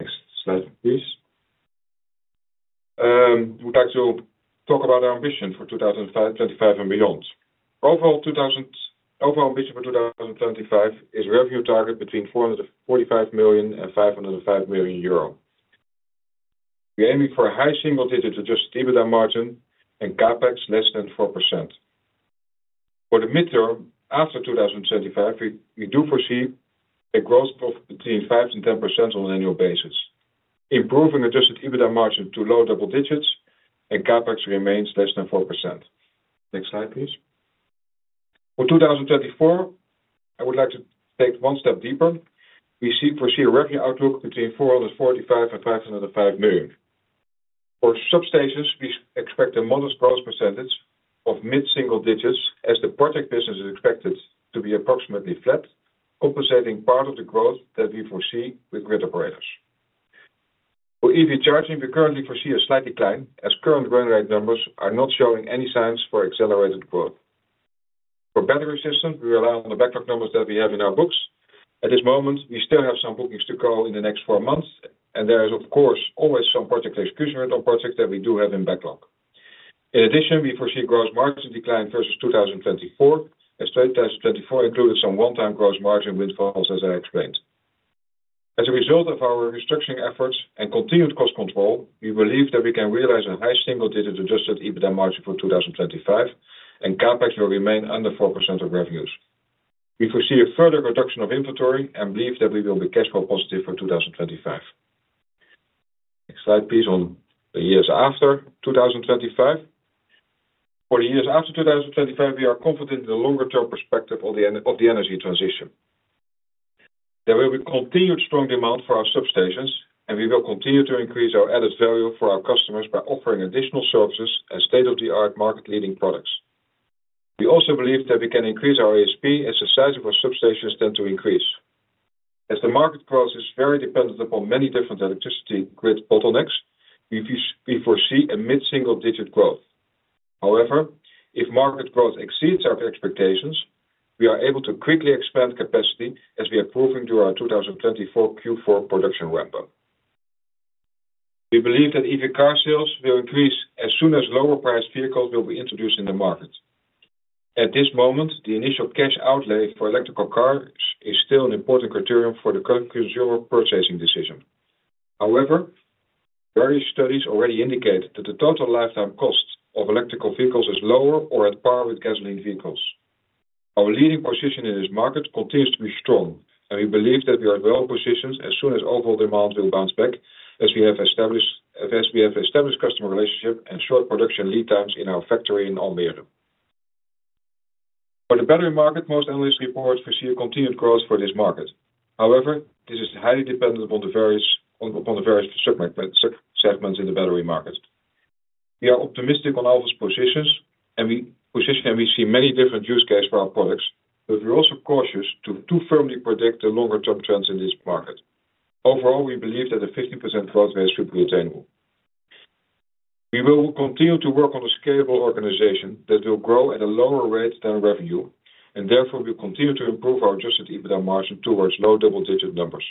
Next slide, please. We'd like to talk about our ambition for 2025 and beyond. Overall ambition for 2025 is a revenue target between 445 million and 505 million euro. We're aiming for a high single-digit adjusted EBITDA margin and CapEx less than 4%. For the midterm after 2025, we do foresee a growth of between 5% and 10% on an annual basis, improving adjusted EBITDA margin to low double digits and CapEx remains less than 4%. Next slide, please. For 2024, I would like to take one step deeper. We foresee a revenue outlook between 445 million and 505 million. For substations, we expect a modest growth percentage of mid-single digits as the project business is expected to be approximately flat, compensating part of the growth that we foresee with grid operators. For EV charging, we currently foresee a slight decline as current run rate numbers are not showing any signs for accelerated growth. For battery systems, we rely on the backlog numbers that we have in our books. At this moment, we still have some bookings to call in the next four months, and there is, of course, always some project exclusionary on projects that we do have in backlog. In addition, we foresee gross margin decline versus 2024, as 2024 included some one-time gross margin windfalls, as I explained. As a result of our restructuring efforts and continued cost control, we believe that we can realize a high single-digit adjusted EBITDA margin for 2025, and CapEx will remain under 4% of revenues. We foresee a further reduction of inventory and believe that we will be cash flow positive for 2025. Next slide, please, on the years after 2025. For the years after 2025, we are confident in the longer-term perspective of the energy transition. There will be continued strong demand for our substations, and we will continue to increase our added value for our customers by offering additional services and state-of-the-art market-leading products. We also believe that we can increase our ASP as the size of our substations tends to increase. As the market growth is very dependent upon many different electricity grid bottlenecks, we foresee a mid-single-digit growth. However, if market growth exceeds our expectations, we are able to quickly expand capacity as we are proving through our 2024 Q4 production ramp-up. We believe that EV car sales will increase as soon as lower-priced vehicles will be introduced in the market. At this moment, the initial cash outlay for electrical cars is still an important criterium for the current consumer purchasing decision. However, various studies already indicate that the total lifetime cost of electrical vehicles is lower or at par with gasoline vehicles. Our leading position in this market continues to be strong, and we believe that we are well positioned as soon as overall demand will bounce back as we have established customer relationships and short production lead times in our factory in Almere. For the battery market, most analysts report foresee a continued growth for this market. However, this is highly dependent upon the various segments in the battery market. We are optimistic on Alfen's positions, and we see many different use cases for our products, but we're also cautious to too firmly predict the longer-term trends in this market. Overall, we believe that a 50% growth rate should be attainable. We will continue to work on a scalable organization that will grow at a lower rate than revenue, and therefore we'll continue to improve our adjusted EBITDA margin towards low double-digit numbers.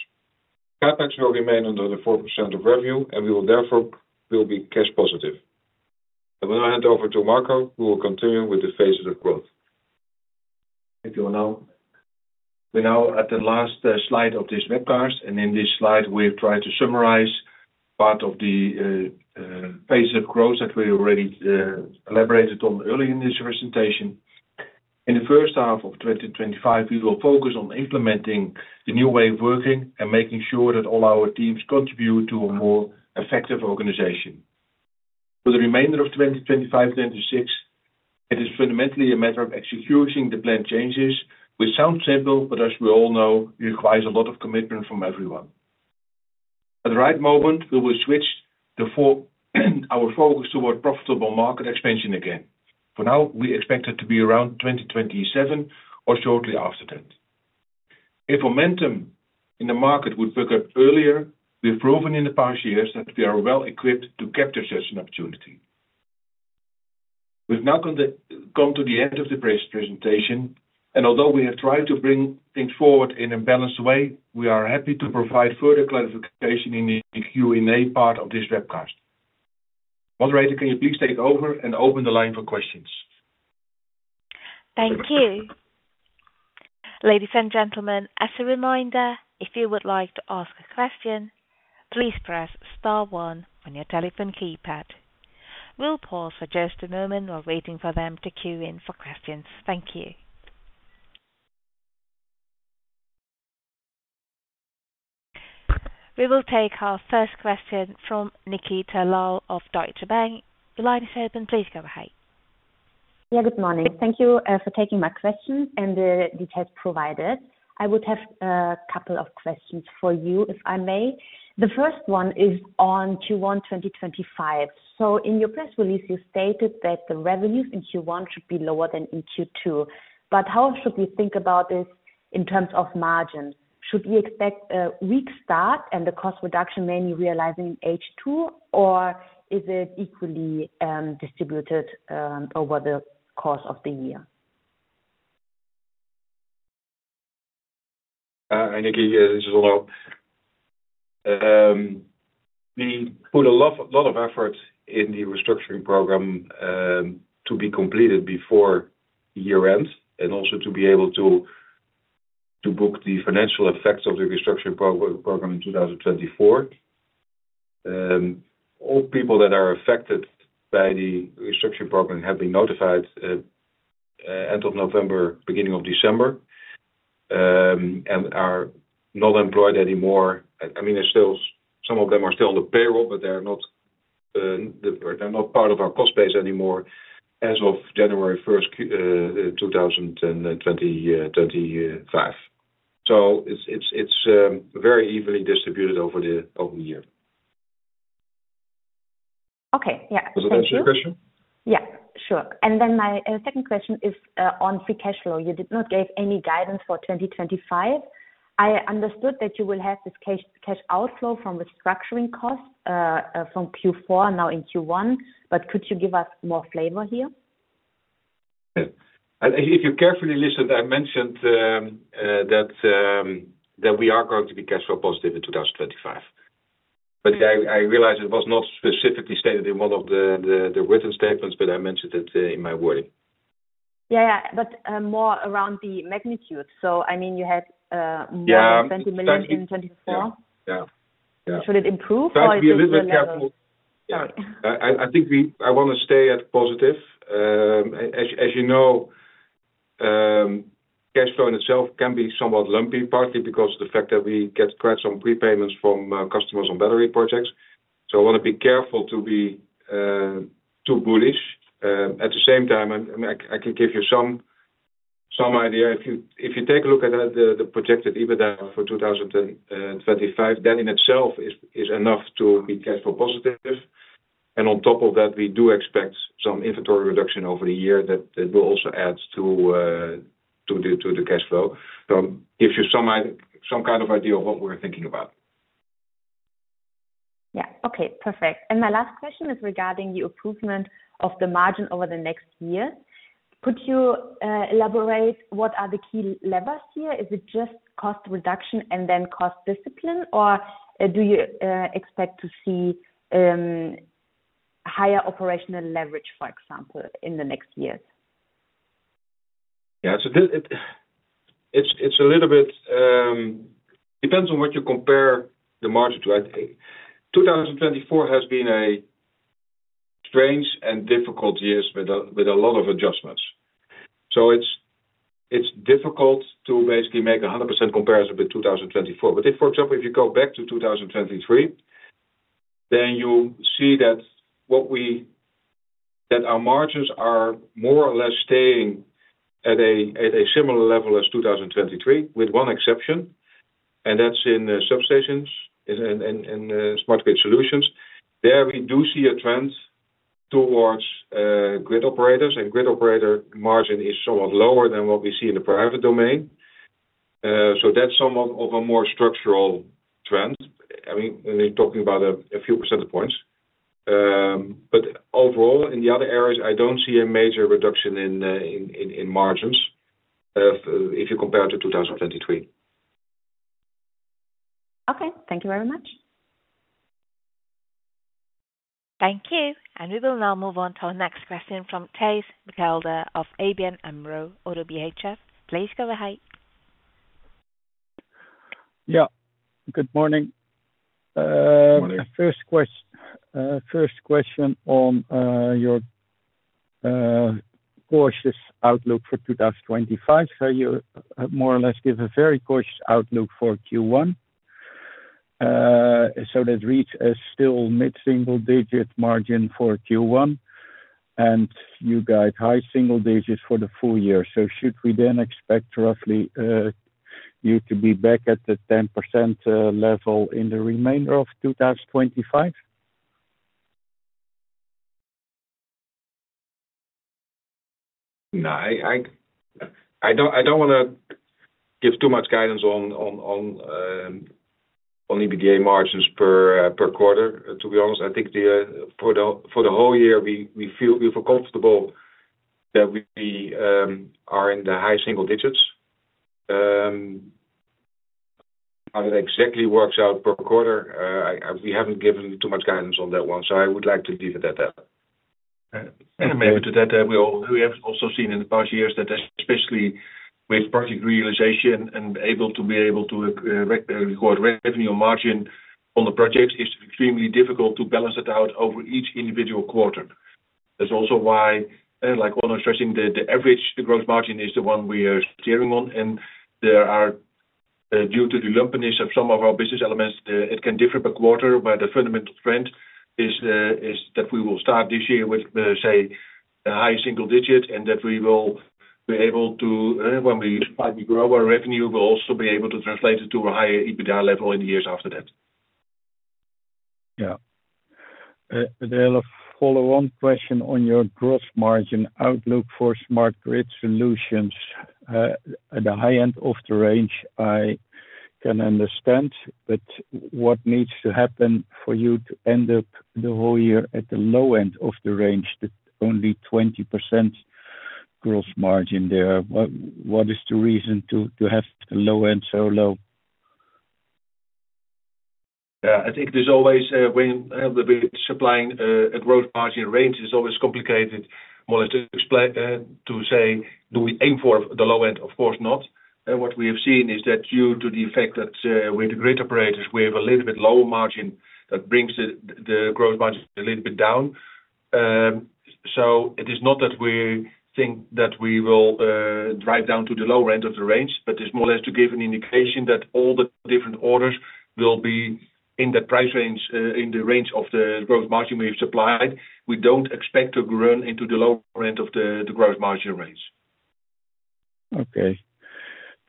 CapEx will remain under the 4% of revenue, and we will therefore be cash positive. I will now hand over to Marco, who will continue with the phases of growth. Thank you Anno. We're now at the last slide of this webcast, and in this slide, we've tried to summarize part of the phases of growth that we already elaborated on early in this presentation. In the first half of 2025, we will focus on implementing the new way of working and making sure that all our teams contribute to a more effective organization. For the remainder of 2025-2026, it is fundamentally a matter of executing the planned changes, which sounds simple, but as we all know, it requires a lot of commitment from everyone. At the right moment, we will switch our focus toward profitable market expansion again. For now, we expect it to be around 2027 or shortly after that. If momentum in the market would pick up earlier, we've proven in the past years that we are well equipped to capture such an opportunity. We've now come to the end of the presentation, and although we have tried to bring things forward in a balanced way, we are happy to provide further clarification in the Q&A part of this webcast. Moderator, can you please take over and open the line for questions? Thank you. Ladies and gentlemen, as a reminder, if you would like to ask a question, please press star one on your telephone keypad. We'll pause for just a moment while waiting for them to queue in for questions. Thank you. We will take our first question from Nikita Lal of Deutsche Bank. The line is open. Please go ahead. Yeah, good morning. Thank you for taking my question and the details provided. I would have a couple of questions for you, if I may. The first one is on Q1 2025. In your press release, you stated that the revenues in Q1 should be lower than in Q2. How should we think about this in terms of margin? Should we expect a weak start and the cost reduction mainly realizing in H2, or is it equally distributed over the course of the year? Hi, Nikita. This is Onno. We put a lot of effort in the restructuring program to be completed before year-end and also to be able to book the financial effects of the restructuring program in 2024. All people that are affected by the restructuring program have been notified at the end of November, beginning of December, and are not employed anymore. I mean, some of them are still on the payroll, but they're not part of our cost base anymore as of January 1st, 2025. It is very evenly distributed over the year. Okay. Yeah. Does that answer your question? Yeah. Sure. My second question is on free cash flow. You did not give any guidance for 2025. I understood that you will have this cash outflow from restructuring costs from Q4 and now in Q1, but could you give us more flavor here? If you carefully listen, I mentioned that we are going to be cash flow positive in 2025. I realize it was not specifically stated in one of the written statements, but I mentioned it in my wording. Yeah, yeah, but more around the magnitude. I mean, you had more than 20 million in 2024? Yeah. Should it improve? That would be a little bit careful. Sorry. I think I want to stay at positive. As you know, cash flow in itself can be somewhat lumpy, partly because of the fact that we get quite some prepayments from customers on battery projects. I want to be careful to be too bullish. At the same time, I can give you some idea. If you take a look at the projected EBITDA for 2025, that in itself is enough to be cash flow positive. On top of that, we do expect some inventory reduction over the year that will also add to the cash flow. To give you some kind of idea of what we're thinking about. Yeah. Okay. Perfect. My last question is regarding the improvement of the margin over the next year. Could you elaborate what are the key levers here? Is it just cost reduction and then cost discipline, or do you expect to see higher operational leverage, for example, in the next years? Yeah. It a little bit depends on what you compare the margin to. 2024 has been a strange and difficult year with a lot of adjustments. It is difficult to basically make a 100% comparison with 2024. If you go back to 2023, then you see that our margins are more or less staying at a similar level as 2023, with one exception, and that is in substations and smart grid solutions. There we do see a trend towards grid operators, and grid operator margin is somewhat lower than what we see in the private domain. That is somewhat of a more structural trend. I mean, we are talking about a few percentage points. Overall, in the other areas, I do not see a major reduction in margins if you compare to 2023. Okay. Thank you very much. Thank you. We will now move on to our next question from Tess Mikelda of ABN AMRO ODDO BHF. Please go ahead. Yeah. Good morning. Good morning. My first question on your cautious outlook for 2025. You more or less give a very cautious outlook for Q1. That reads as still mid-single digit margin for Q1, and you guide high single digits for the full year. Should we then expect roughly you to be back at the 10% level in the remainder of 2025? No, I do not want to give too much guidance on EBITDA margins per quarter, to be honest. I think for the whole year, we feel comfortable that we are in the high single digits. How that exactly works out per quarter, we have not given too much guidance on that one, so I would like to leave it at that. Maybe to that, we have also seen in the past years that especially with project realization and able to be able to record revenue or margin on the projects is extremely difficult to balance it out over each individual quarter. That is also why, like Onno is stressing, the average gross margin is the one we are steering on. Due to the lumpiness of some of our business elements, it can differ per quarter, but the fundamental trend is that we will start this year with, say, a high single digit and that we will be able to, when we grow our revenue, we will also be able to translate it to a higher EBITDA level in the years after that. Yeah. There will follow one question on your gross margin outlook for smart grid solutions. At the high end of the range, I can understand, but what needs to happen for you to end up the whole year at the low end of the range, the only 20% gross margin there? What is the reason to have the low end so low? Yeah. I think there's always, when we're supplying a gross margin range, it's always complicated more or less to say, do we aim for the low end? Of course not. What we have seen is that due to the fact that with the grid operators, we have a little bit lower margin that brings the gross margin a little bit down. It is not that we think that we will drive down to the lower end of the range, but it is more or less to give an indication that all the different orders will be in the price range, in the range of the gross margin we have supplied. We do not expect to run into the lower end of the gross margin range. Okay.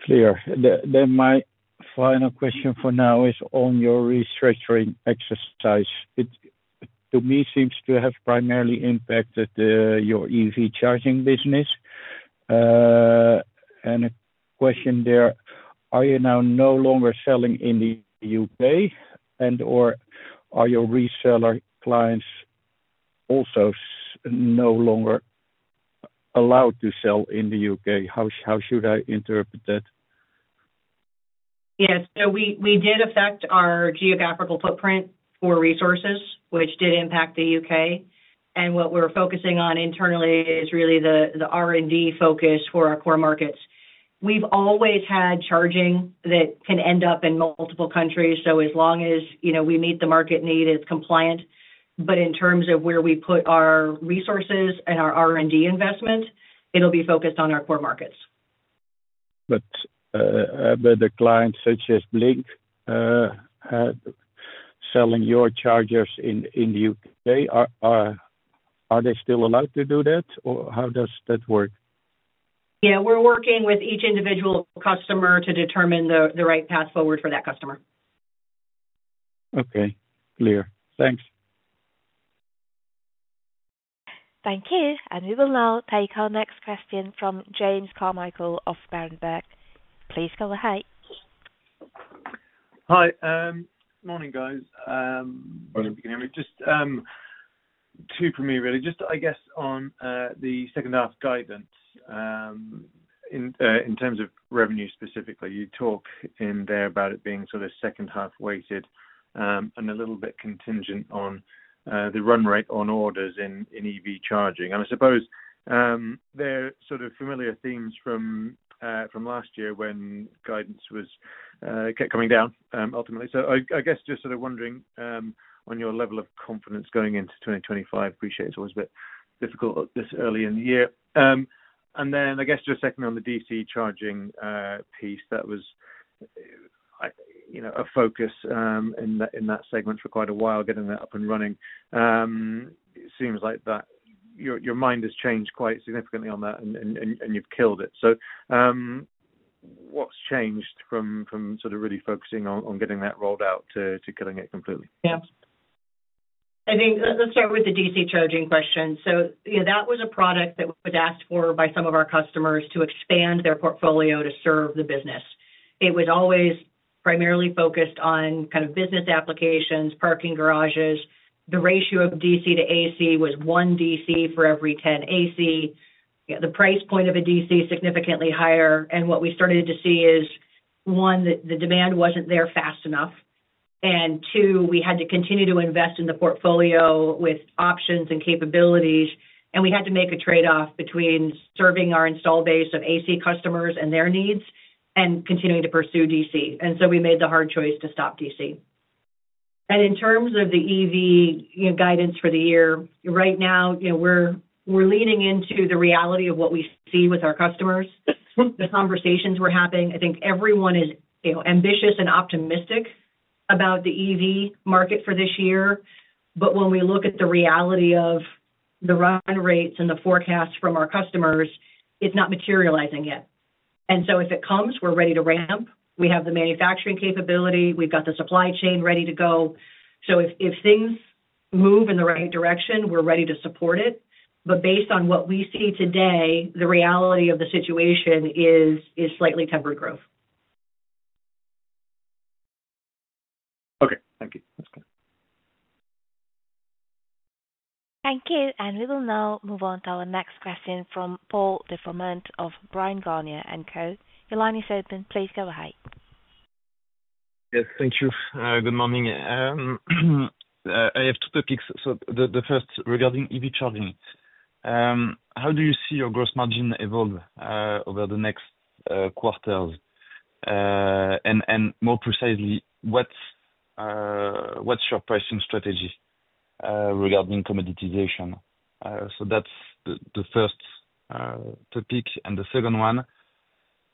Clear. My final question for now is on your restructuring exercise. It to me seems to have primarily impacted your EV charging business. A question there, are you now no longer selling in the U.K., and/or are your reseller clients also no longer allowed to sell in the U.K.? How should I interpret that? Yes. We did affect our geographical footprint for resources, which did impact the U.K. What we are focusing on internally is really the R&D focus for our core markets. We've always had charging that can end up in multiple countries. As long as we meet the market need, it's compliant. In terms of where we put our resources and our R&D investment, it'll be focused on our core markets. The clients such as Blink selling your chargers in the U.K., are they still allowed to do that, or how does that work? Yeah. We're working with each individual customer to determine the right path forward for that customer. Okay. Clear. Thanks. Thank you. We will now take our next question from James Carmichael of Berenberg. Please go ahead. Hi. Morning, guys. Morning, Jamie. Just two for me, really. I guess on the second-half guidance in terms of revenue specifically. You talk in there about it being sort of second-half weighted and a little bit contingent on the run rate on orders in EV charging. I suppose they're sort of familiar themes from last year when guidance was coming down ultimately. I guess just sort of wondering on your level of confidence going into 2025. Appreciate it's always a bit difficult this early in the year. I guess just secondly on the DC charging piece, that was a focus in that segment for quite a while, getting that up and running. It seems like your mind has changed quite significantly on that, and you've killed it. What's changed from sort of really focusing on getting that rolled out to killing it completely? Yeah. I think let's start with the DC charging question. That was a product that was asked for by some of our customers to expand their portfolio to serve the business. It was always primarily focused on kind of business applications, parking garages. The ratio of DC to AC was one DC for every 10 AC. The price point of a DC is significantly higher. What we started to see is, one, the demand was not there fast enough. Two, we had to continue to invest in the portfolio with options and capabilities. We had to make a trade-off between serving our install base of AC customers and their needs and continuing to pursue DC. We made the hard choice to stop DC. In terms of the EV guidance for the year, right now, we are leaning into the reality of what we see with our customers. The conversations we are having, I think everyone is ambitious and optimistic about the EV market for this year. When we look at the reality of the run rates and the forecast from our customers, it is not materializing yet. If it comes, we're ready to ramp. We have the manufacturing capability. We've got the supply chain ready to go. If things move in the right direction, we're ready to support it. Based on what we see today, the reality of the situation is slightly tempered growth. Okay. Thank you. Thank you. We will now move on to our next question from Paul De Froment of Bryan Garnier & Co. Your line is open. Please go ahead. Yes. Thank you. Good morning. I have two topics. The first regarding EV charging. How do you see your gross margin evolve over the next quarters? More precisely, what's your pricing strategy regarding commoditization? That's the first topic. The second one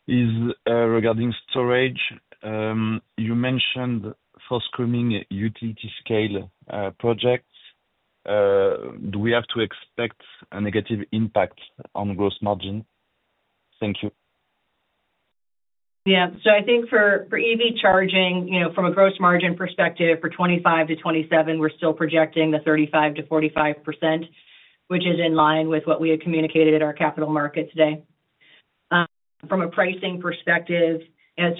is regarding storage. You mentioned force-coming utility scale projects. Do we have to expect a negative impact on gross margin? Thank you. Yeah. I think for EV charging, from a gross margin perspective, for 2025 to 2027, we're still projecting the 35%-45%, which is in line with what we had communicated at our capital market day. From a pricing perspective,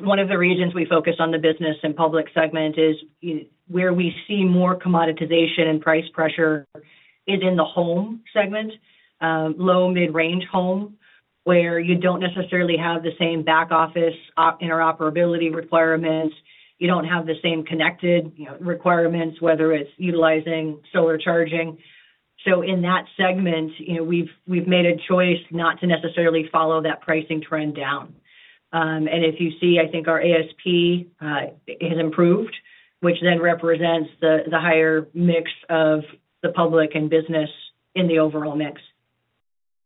one of the reasons we focus on the business and public segment is where we see more commoditization and price pressure is in the home segment, low, mid-range home, where you don't necessarily have the same back office interoperability requirements. You don't have the same connected requirements, whether it's utilizing solar charging. In that segment, we've made a choice not to necessarily follow that pricing trend down. If you see, I think our ASP has improved, which then represents the higher mix of the public and business in the overall mix.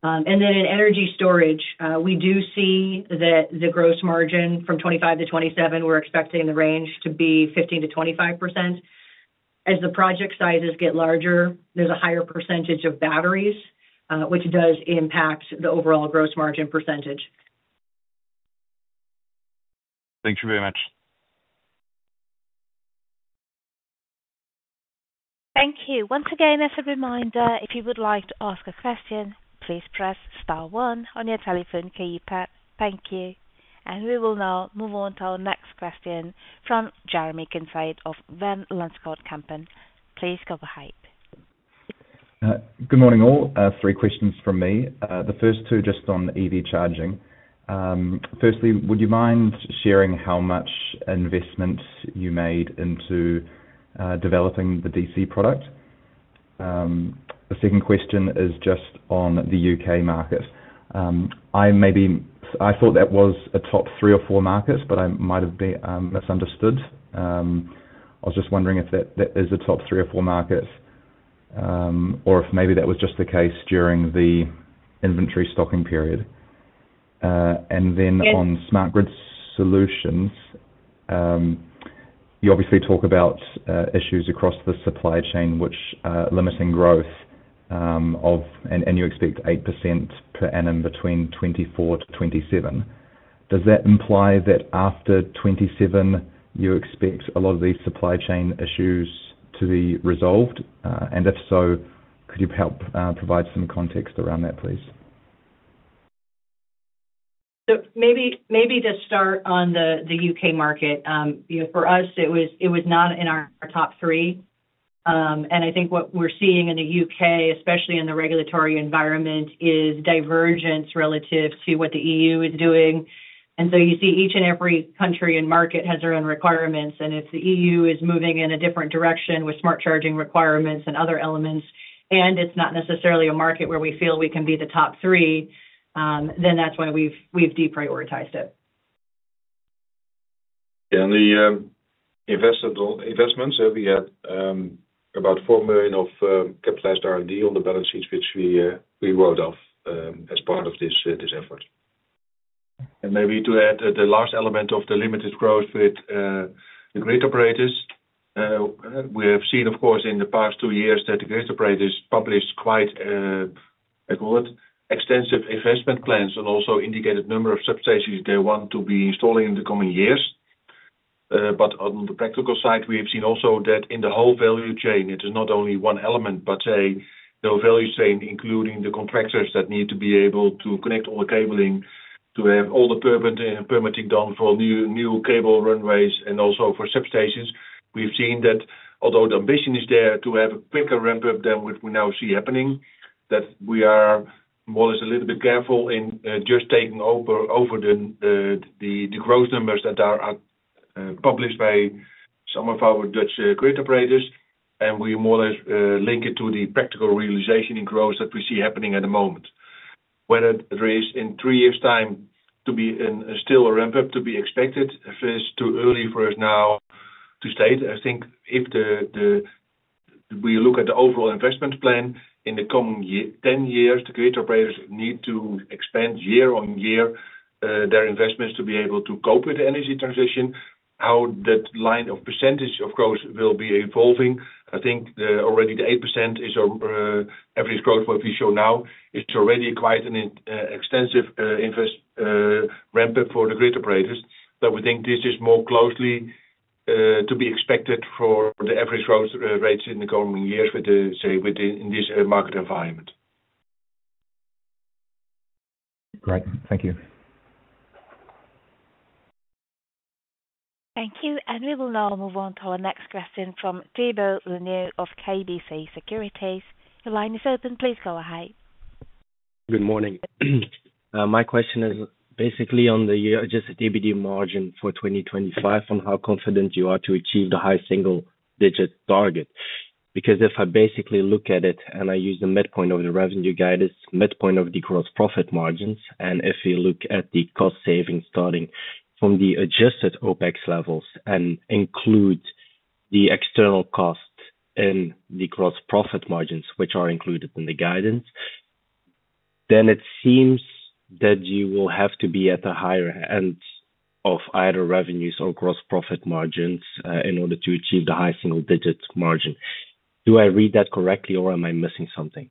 In energy storage, we do see that the gross margin from 2025 to 2027, we're expecting the range to be 15%-25%. As the project sizes get larger, there's a higher percentage of batteries, which does impact the overall gross margin percentage. Thank you very much. Thank you. Once again, as a reminder, if you would like to ask a question, please press star one on your telephone keypad. Thank you. We will now move on to our next question from Jeremy Kincaid of Van Lanschot Kempen. Please go ahead. Good morning, all. Three questions from me. The first two just on EV charging. Firstly, would you mind sharing how much investment you made into developing the DC product? The second question is just on the U.K. market. I thought that was a top three or four markets, but I might have misunderstood. I was just wondering if that is a top three or four market or if maybe that was just the case during the inventory stocking period. On smart grid solutions, you obviously talk about issues across the supply chain, which are limiting growth, and you expect 8% per annum between 2024 to 2027. Does that imply that after 2027, you expect a lot of these supply chain issues to be resolved? If so, could you help provide some context around that, please? Maybe to start on the U.K. market, for us, it was not in our top three. I think what we're seeing in the U.K., especially in the regulatory environment, is divergence relative to what the EU is doing. You see each and every country and market has their own requirements. If the EU is moving in a different direction with smart charging requirements and other elements, and it is not necessarily a market where we feel we can be the top three, that is why we have deprioritized it. Yeah. The investments, we had about 4 million of capitalized R&D on the balance sheets, which we rolled off as part of this effort. Maybe to add the last element of the limited growth with the grid operators, we have seen, of course, in the past two years that the grid operators published quite extensive investment plans and also indicated the number of substations they want to be installing in the coming years. On the practical side, we have seen also that in the whole value chain, it is not only one element, but the value chain, including the contractors that need to be able to connect all the cabling, to have all the permitting done for new cable runways, and also for substations. We have seen that although the ambition is there to have a quicker ramp-up than what we now see happening, we are more or less a little bit careful in just taking over the gross numbers that are published by some of our Dutch grid operators. We more or less link it to the practical realization in growth that we see happening at the moment. Whether there is in three years' time to be still a ramp-up to be expected versus too early for us now to state, I think if we look at the overall investment plan in the coming 10 years, the grid operators need to expand year on year their investments to be able to cope with the energy transition, how that line of percentage of growth will be evolving. I think already the 8% is our average growth what we show now. It is already quite an extensive ramp-up for the grid operators. We think this is more closely to be expected for the average growth rates in the coming years with, say, in this market environment. Great. Thank you. Thank you. We will now move on to our next question from Thibaut Leneeuw of KBC Securities. Your line is open. Please go ahead. Good morning. My question is basically on the just EBITDA margin for 2025 and how confident you are to achieve the high single-digit target. Because if I basically look at it and I use the midpoint of the revenue guidance, midpoint of the gross profit margins, and if you look at the cost savings starting from the adjusted OpEx levels and include the external cost in the gross profit margins, which are included in the guidance, then it seems that you will have to be at the higher end of either revenues or gross profit margins in order to achieve the high single-digit margin. Do I read that correctly, or am I missing something?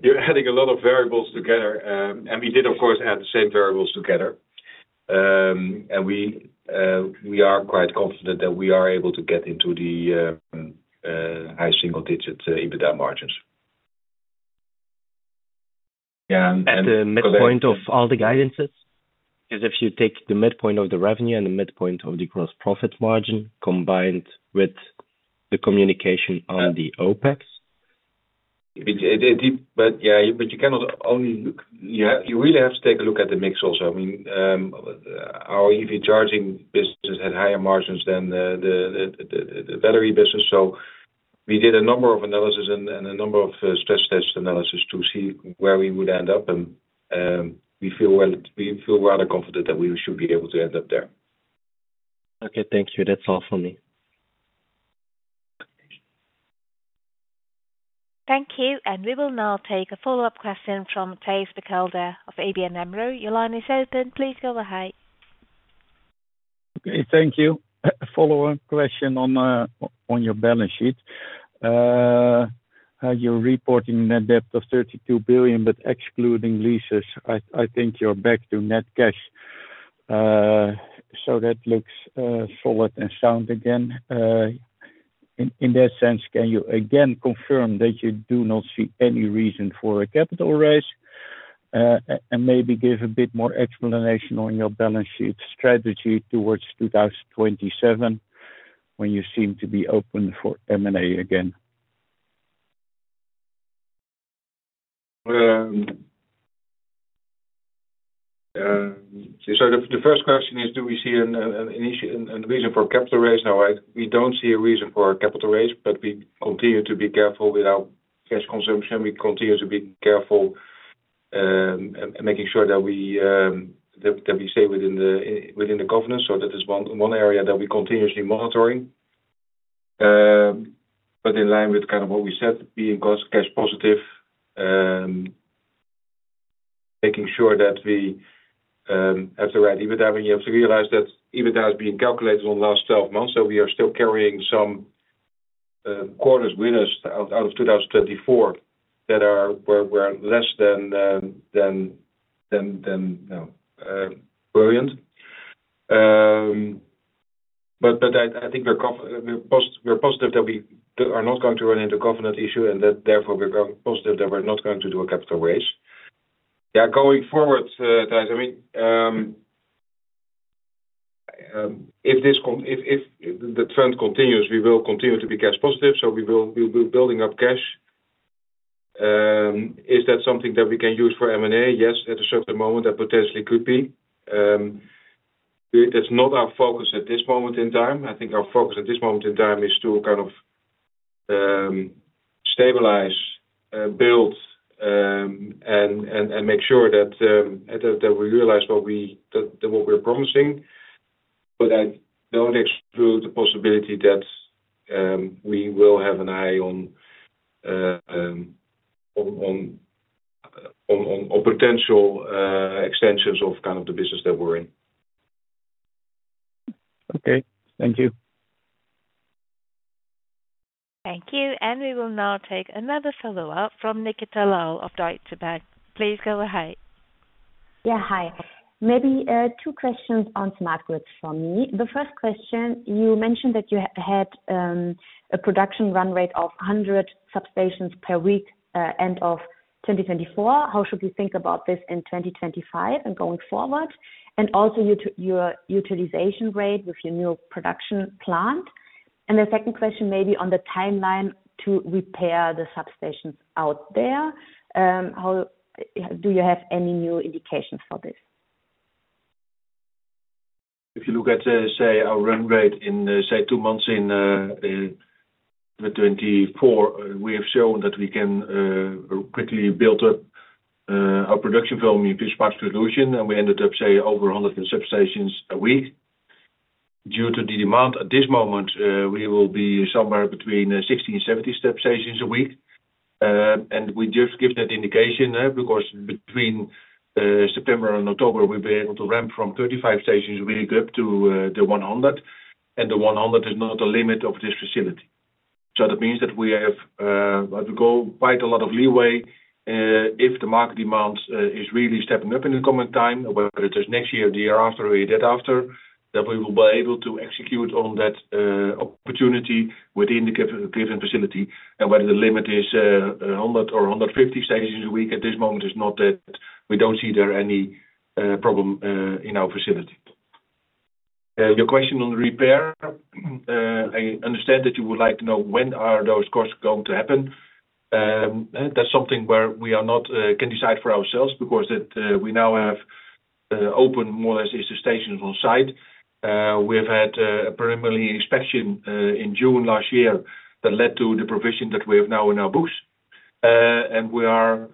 You're adding a lot of variables together. We did, of course, add the same variables together. We are quite confident that we are able to get into the high single-digit EBITDA margins. At the midpoint of all the guidances, because if you take the midpoint of the revenue and the midpoint of the gross profit margin combined with the communication on the OpEx. You really have to take a look at the mix also. I mean, our EV charging business has higher margins than the battery business. We did a number of analyses and a number of stress test analyses to see where we would end up. We feel rather confident that we should be able to end up there. Okay. Thank you. That's all for me. Thank you. We will now take a follow-up question from Tase Bekelde of ABN AMRO. Your line is open. Please go ahead. Okay. Thank you. Follow-up question on your balance sheet. You're reporting a net debt of 32 billion, but excluding leases, I think you're back to net cash. That looks solid and sound again. In that sense, can you again confirm that you do not see any reason for a capital raise and maybe give a bit more explanation on your balance sheet strategy towards 2027 when you seem to be open for M&A again? The first question is, do we see a reason for capital raise? No, we don't see a reason for a capital raise, but we continue to be careful with our cash consumption. We continue to be careful and making sure that we stay within the governance. That is one area that we continuously monitor. In line with kind of what we said, being cash positive, making sure that we have the right EBITDA. We have to realize that EBITDA is being calculated on the last 12 months. We are still carrying some quarters with us out of 2024 that were less than brilliant. I think we're positive that we are not going to run into government issue, and therefore, we're positive that we're not going to do a capital raise. Yeah. Going forward, guys, I mean, if the trend continues, we will continue to be cash positive. We will be building up cash. Is that something that we can use for M&A? Yes, at a certain moment, that potentially could be. That's not our focus at this moment in time. I think our focus at this moment in time is to kind of stabilize, build, and make sure that we realize what we are promising. I do not exclude the possibility that we will have an eye on potential extensions of kind of the business that we're in. Okay. Thank you. Thank you. We will now take another follow-up from Nikita Lal of Deutsche Bank. Please go ahead. Yeah. Hi. Maybe two questions on smart grids from me. The first question, you mentioned that you had a production run rate of 100 substations per week end of 2024. How should you think about this in 2025 and going forward? Also your utilization rate with your new production plant. The second question, maybe on the timeline to repair the substations out there. Do you have any new indications for this? If you look at, say, our run rate in, say, two months in 2024, we have shown that we can quickly build up our production from this part solution. We ended up, say, over 100 substations a week. Due to the demand at this moment, we will be somewhere between 60 and 70 substations a week. We just give that indication because between September and October, we will be able to ramp from 35 stations a week up to the 100. The 100 is not the limit of this facility. That means that we have quite a lot of leeway if the market demand is really stepping up in the coming time, whether it is next year, the year after, or the year thereafter, that we will be able to execute on that opportunity within the given facility. Whether the limit is 100 or 150 stations a week at this moment is not that we do not see there any problem in our facility. Your question on repair, I understand that you would like to know when are those costs going to happen. That is something where we can decide for ourselves because we now have open more or less installations on site. We have had a preliminary inspection in June last year that led to the provision that we have now in our books. We are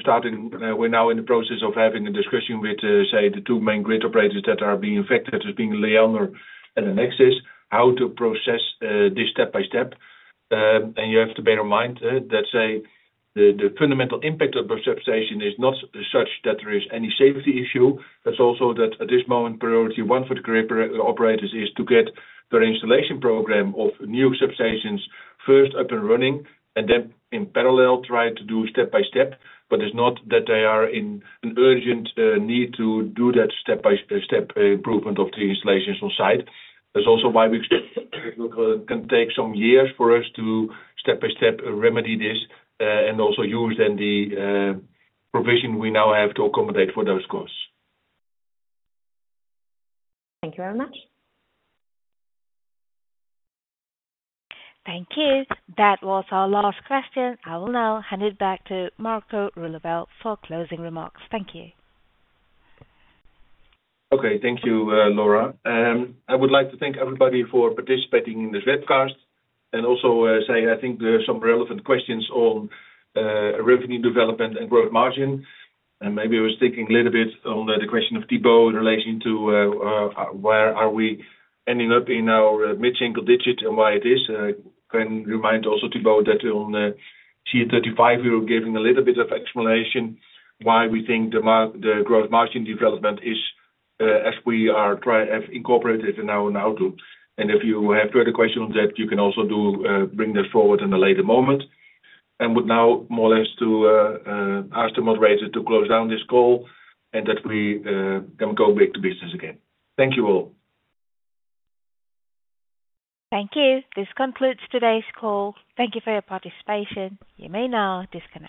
starting now in the process of having a discussion with, say, the two main grid operators that are being affected, that being Liander and Enexis, how to process this step by step. You have to bear in mind that, say, the fundamental impact of the substation is not such that there is any safety issue. It's also that at this moment, priority one for the grid operators is to get their installation program of new substations first up and running, and then in parallel, try to do step by step. It is not that they are in an urgent need to do that step by step improvement of the installations on site. That is also why we can take some years for us to step by step remedy this and also use then the provision we now have to accommodate for those costs. Thank you very much. Thank you. That was our last question. I will now hand it back to Marco Roeleveld for closing remarks. Thank you. Okay. Thank you, Laura. I would like to thank everybody for participating in this webcast. I also say, I think there are some relevant questions on revenue development and gross margin. Maybe I was thinking a little bit on the question of Thibaut in relation to where are we ending up in our mid-single digit and why it is. I can remind also Thibaut that on year 35, we were giving a little bit of explanation why we think the growth margin development is as we have incorporated in our now. If you have further questions on that, you can also bring this forward in a later moment. I would now more or less ask the moderator to close down this call and that we can go back to business again. Thank you all. Thank you. This concludes today's call. Thank you for your participation. You may now disconnect.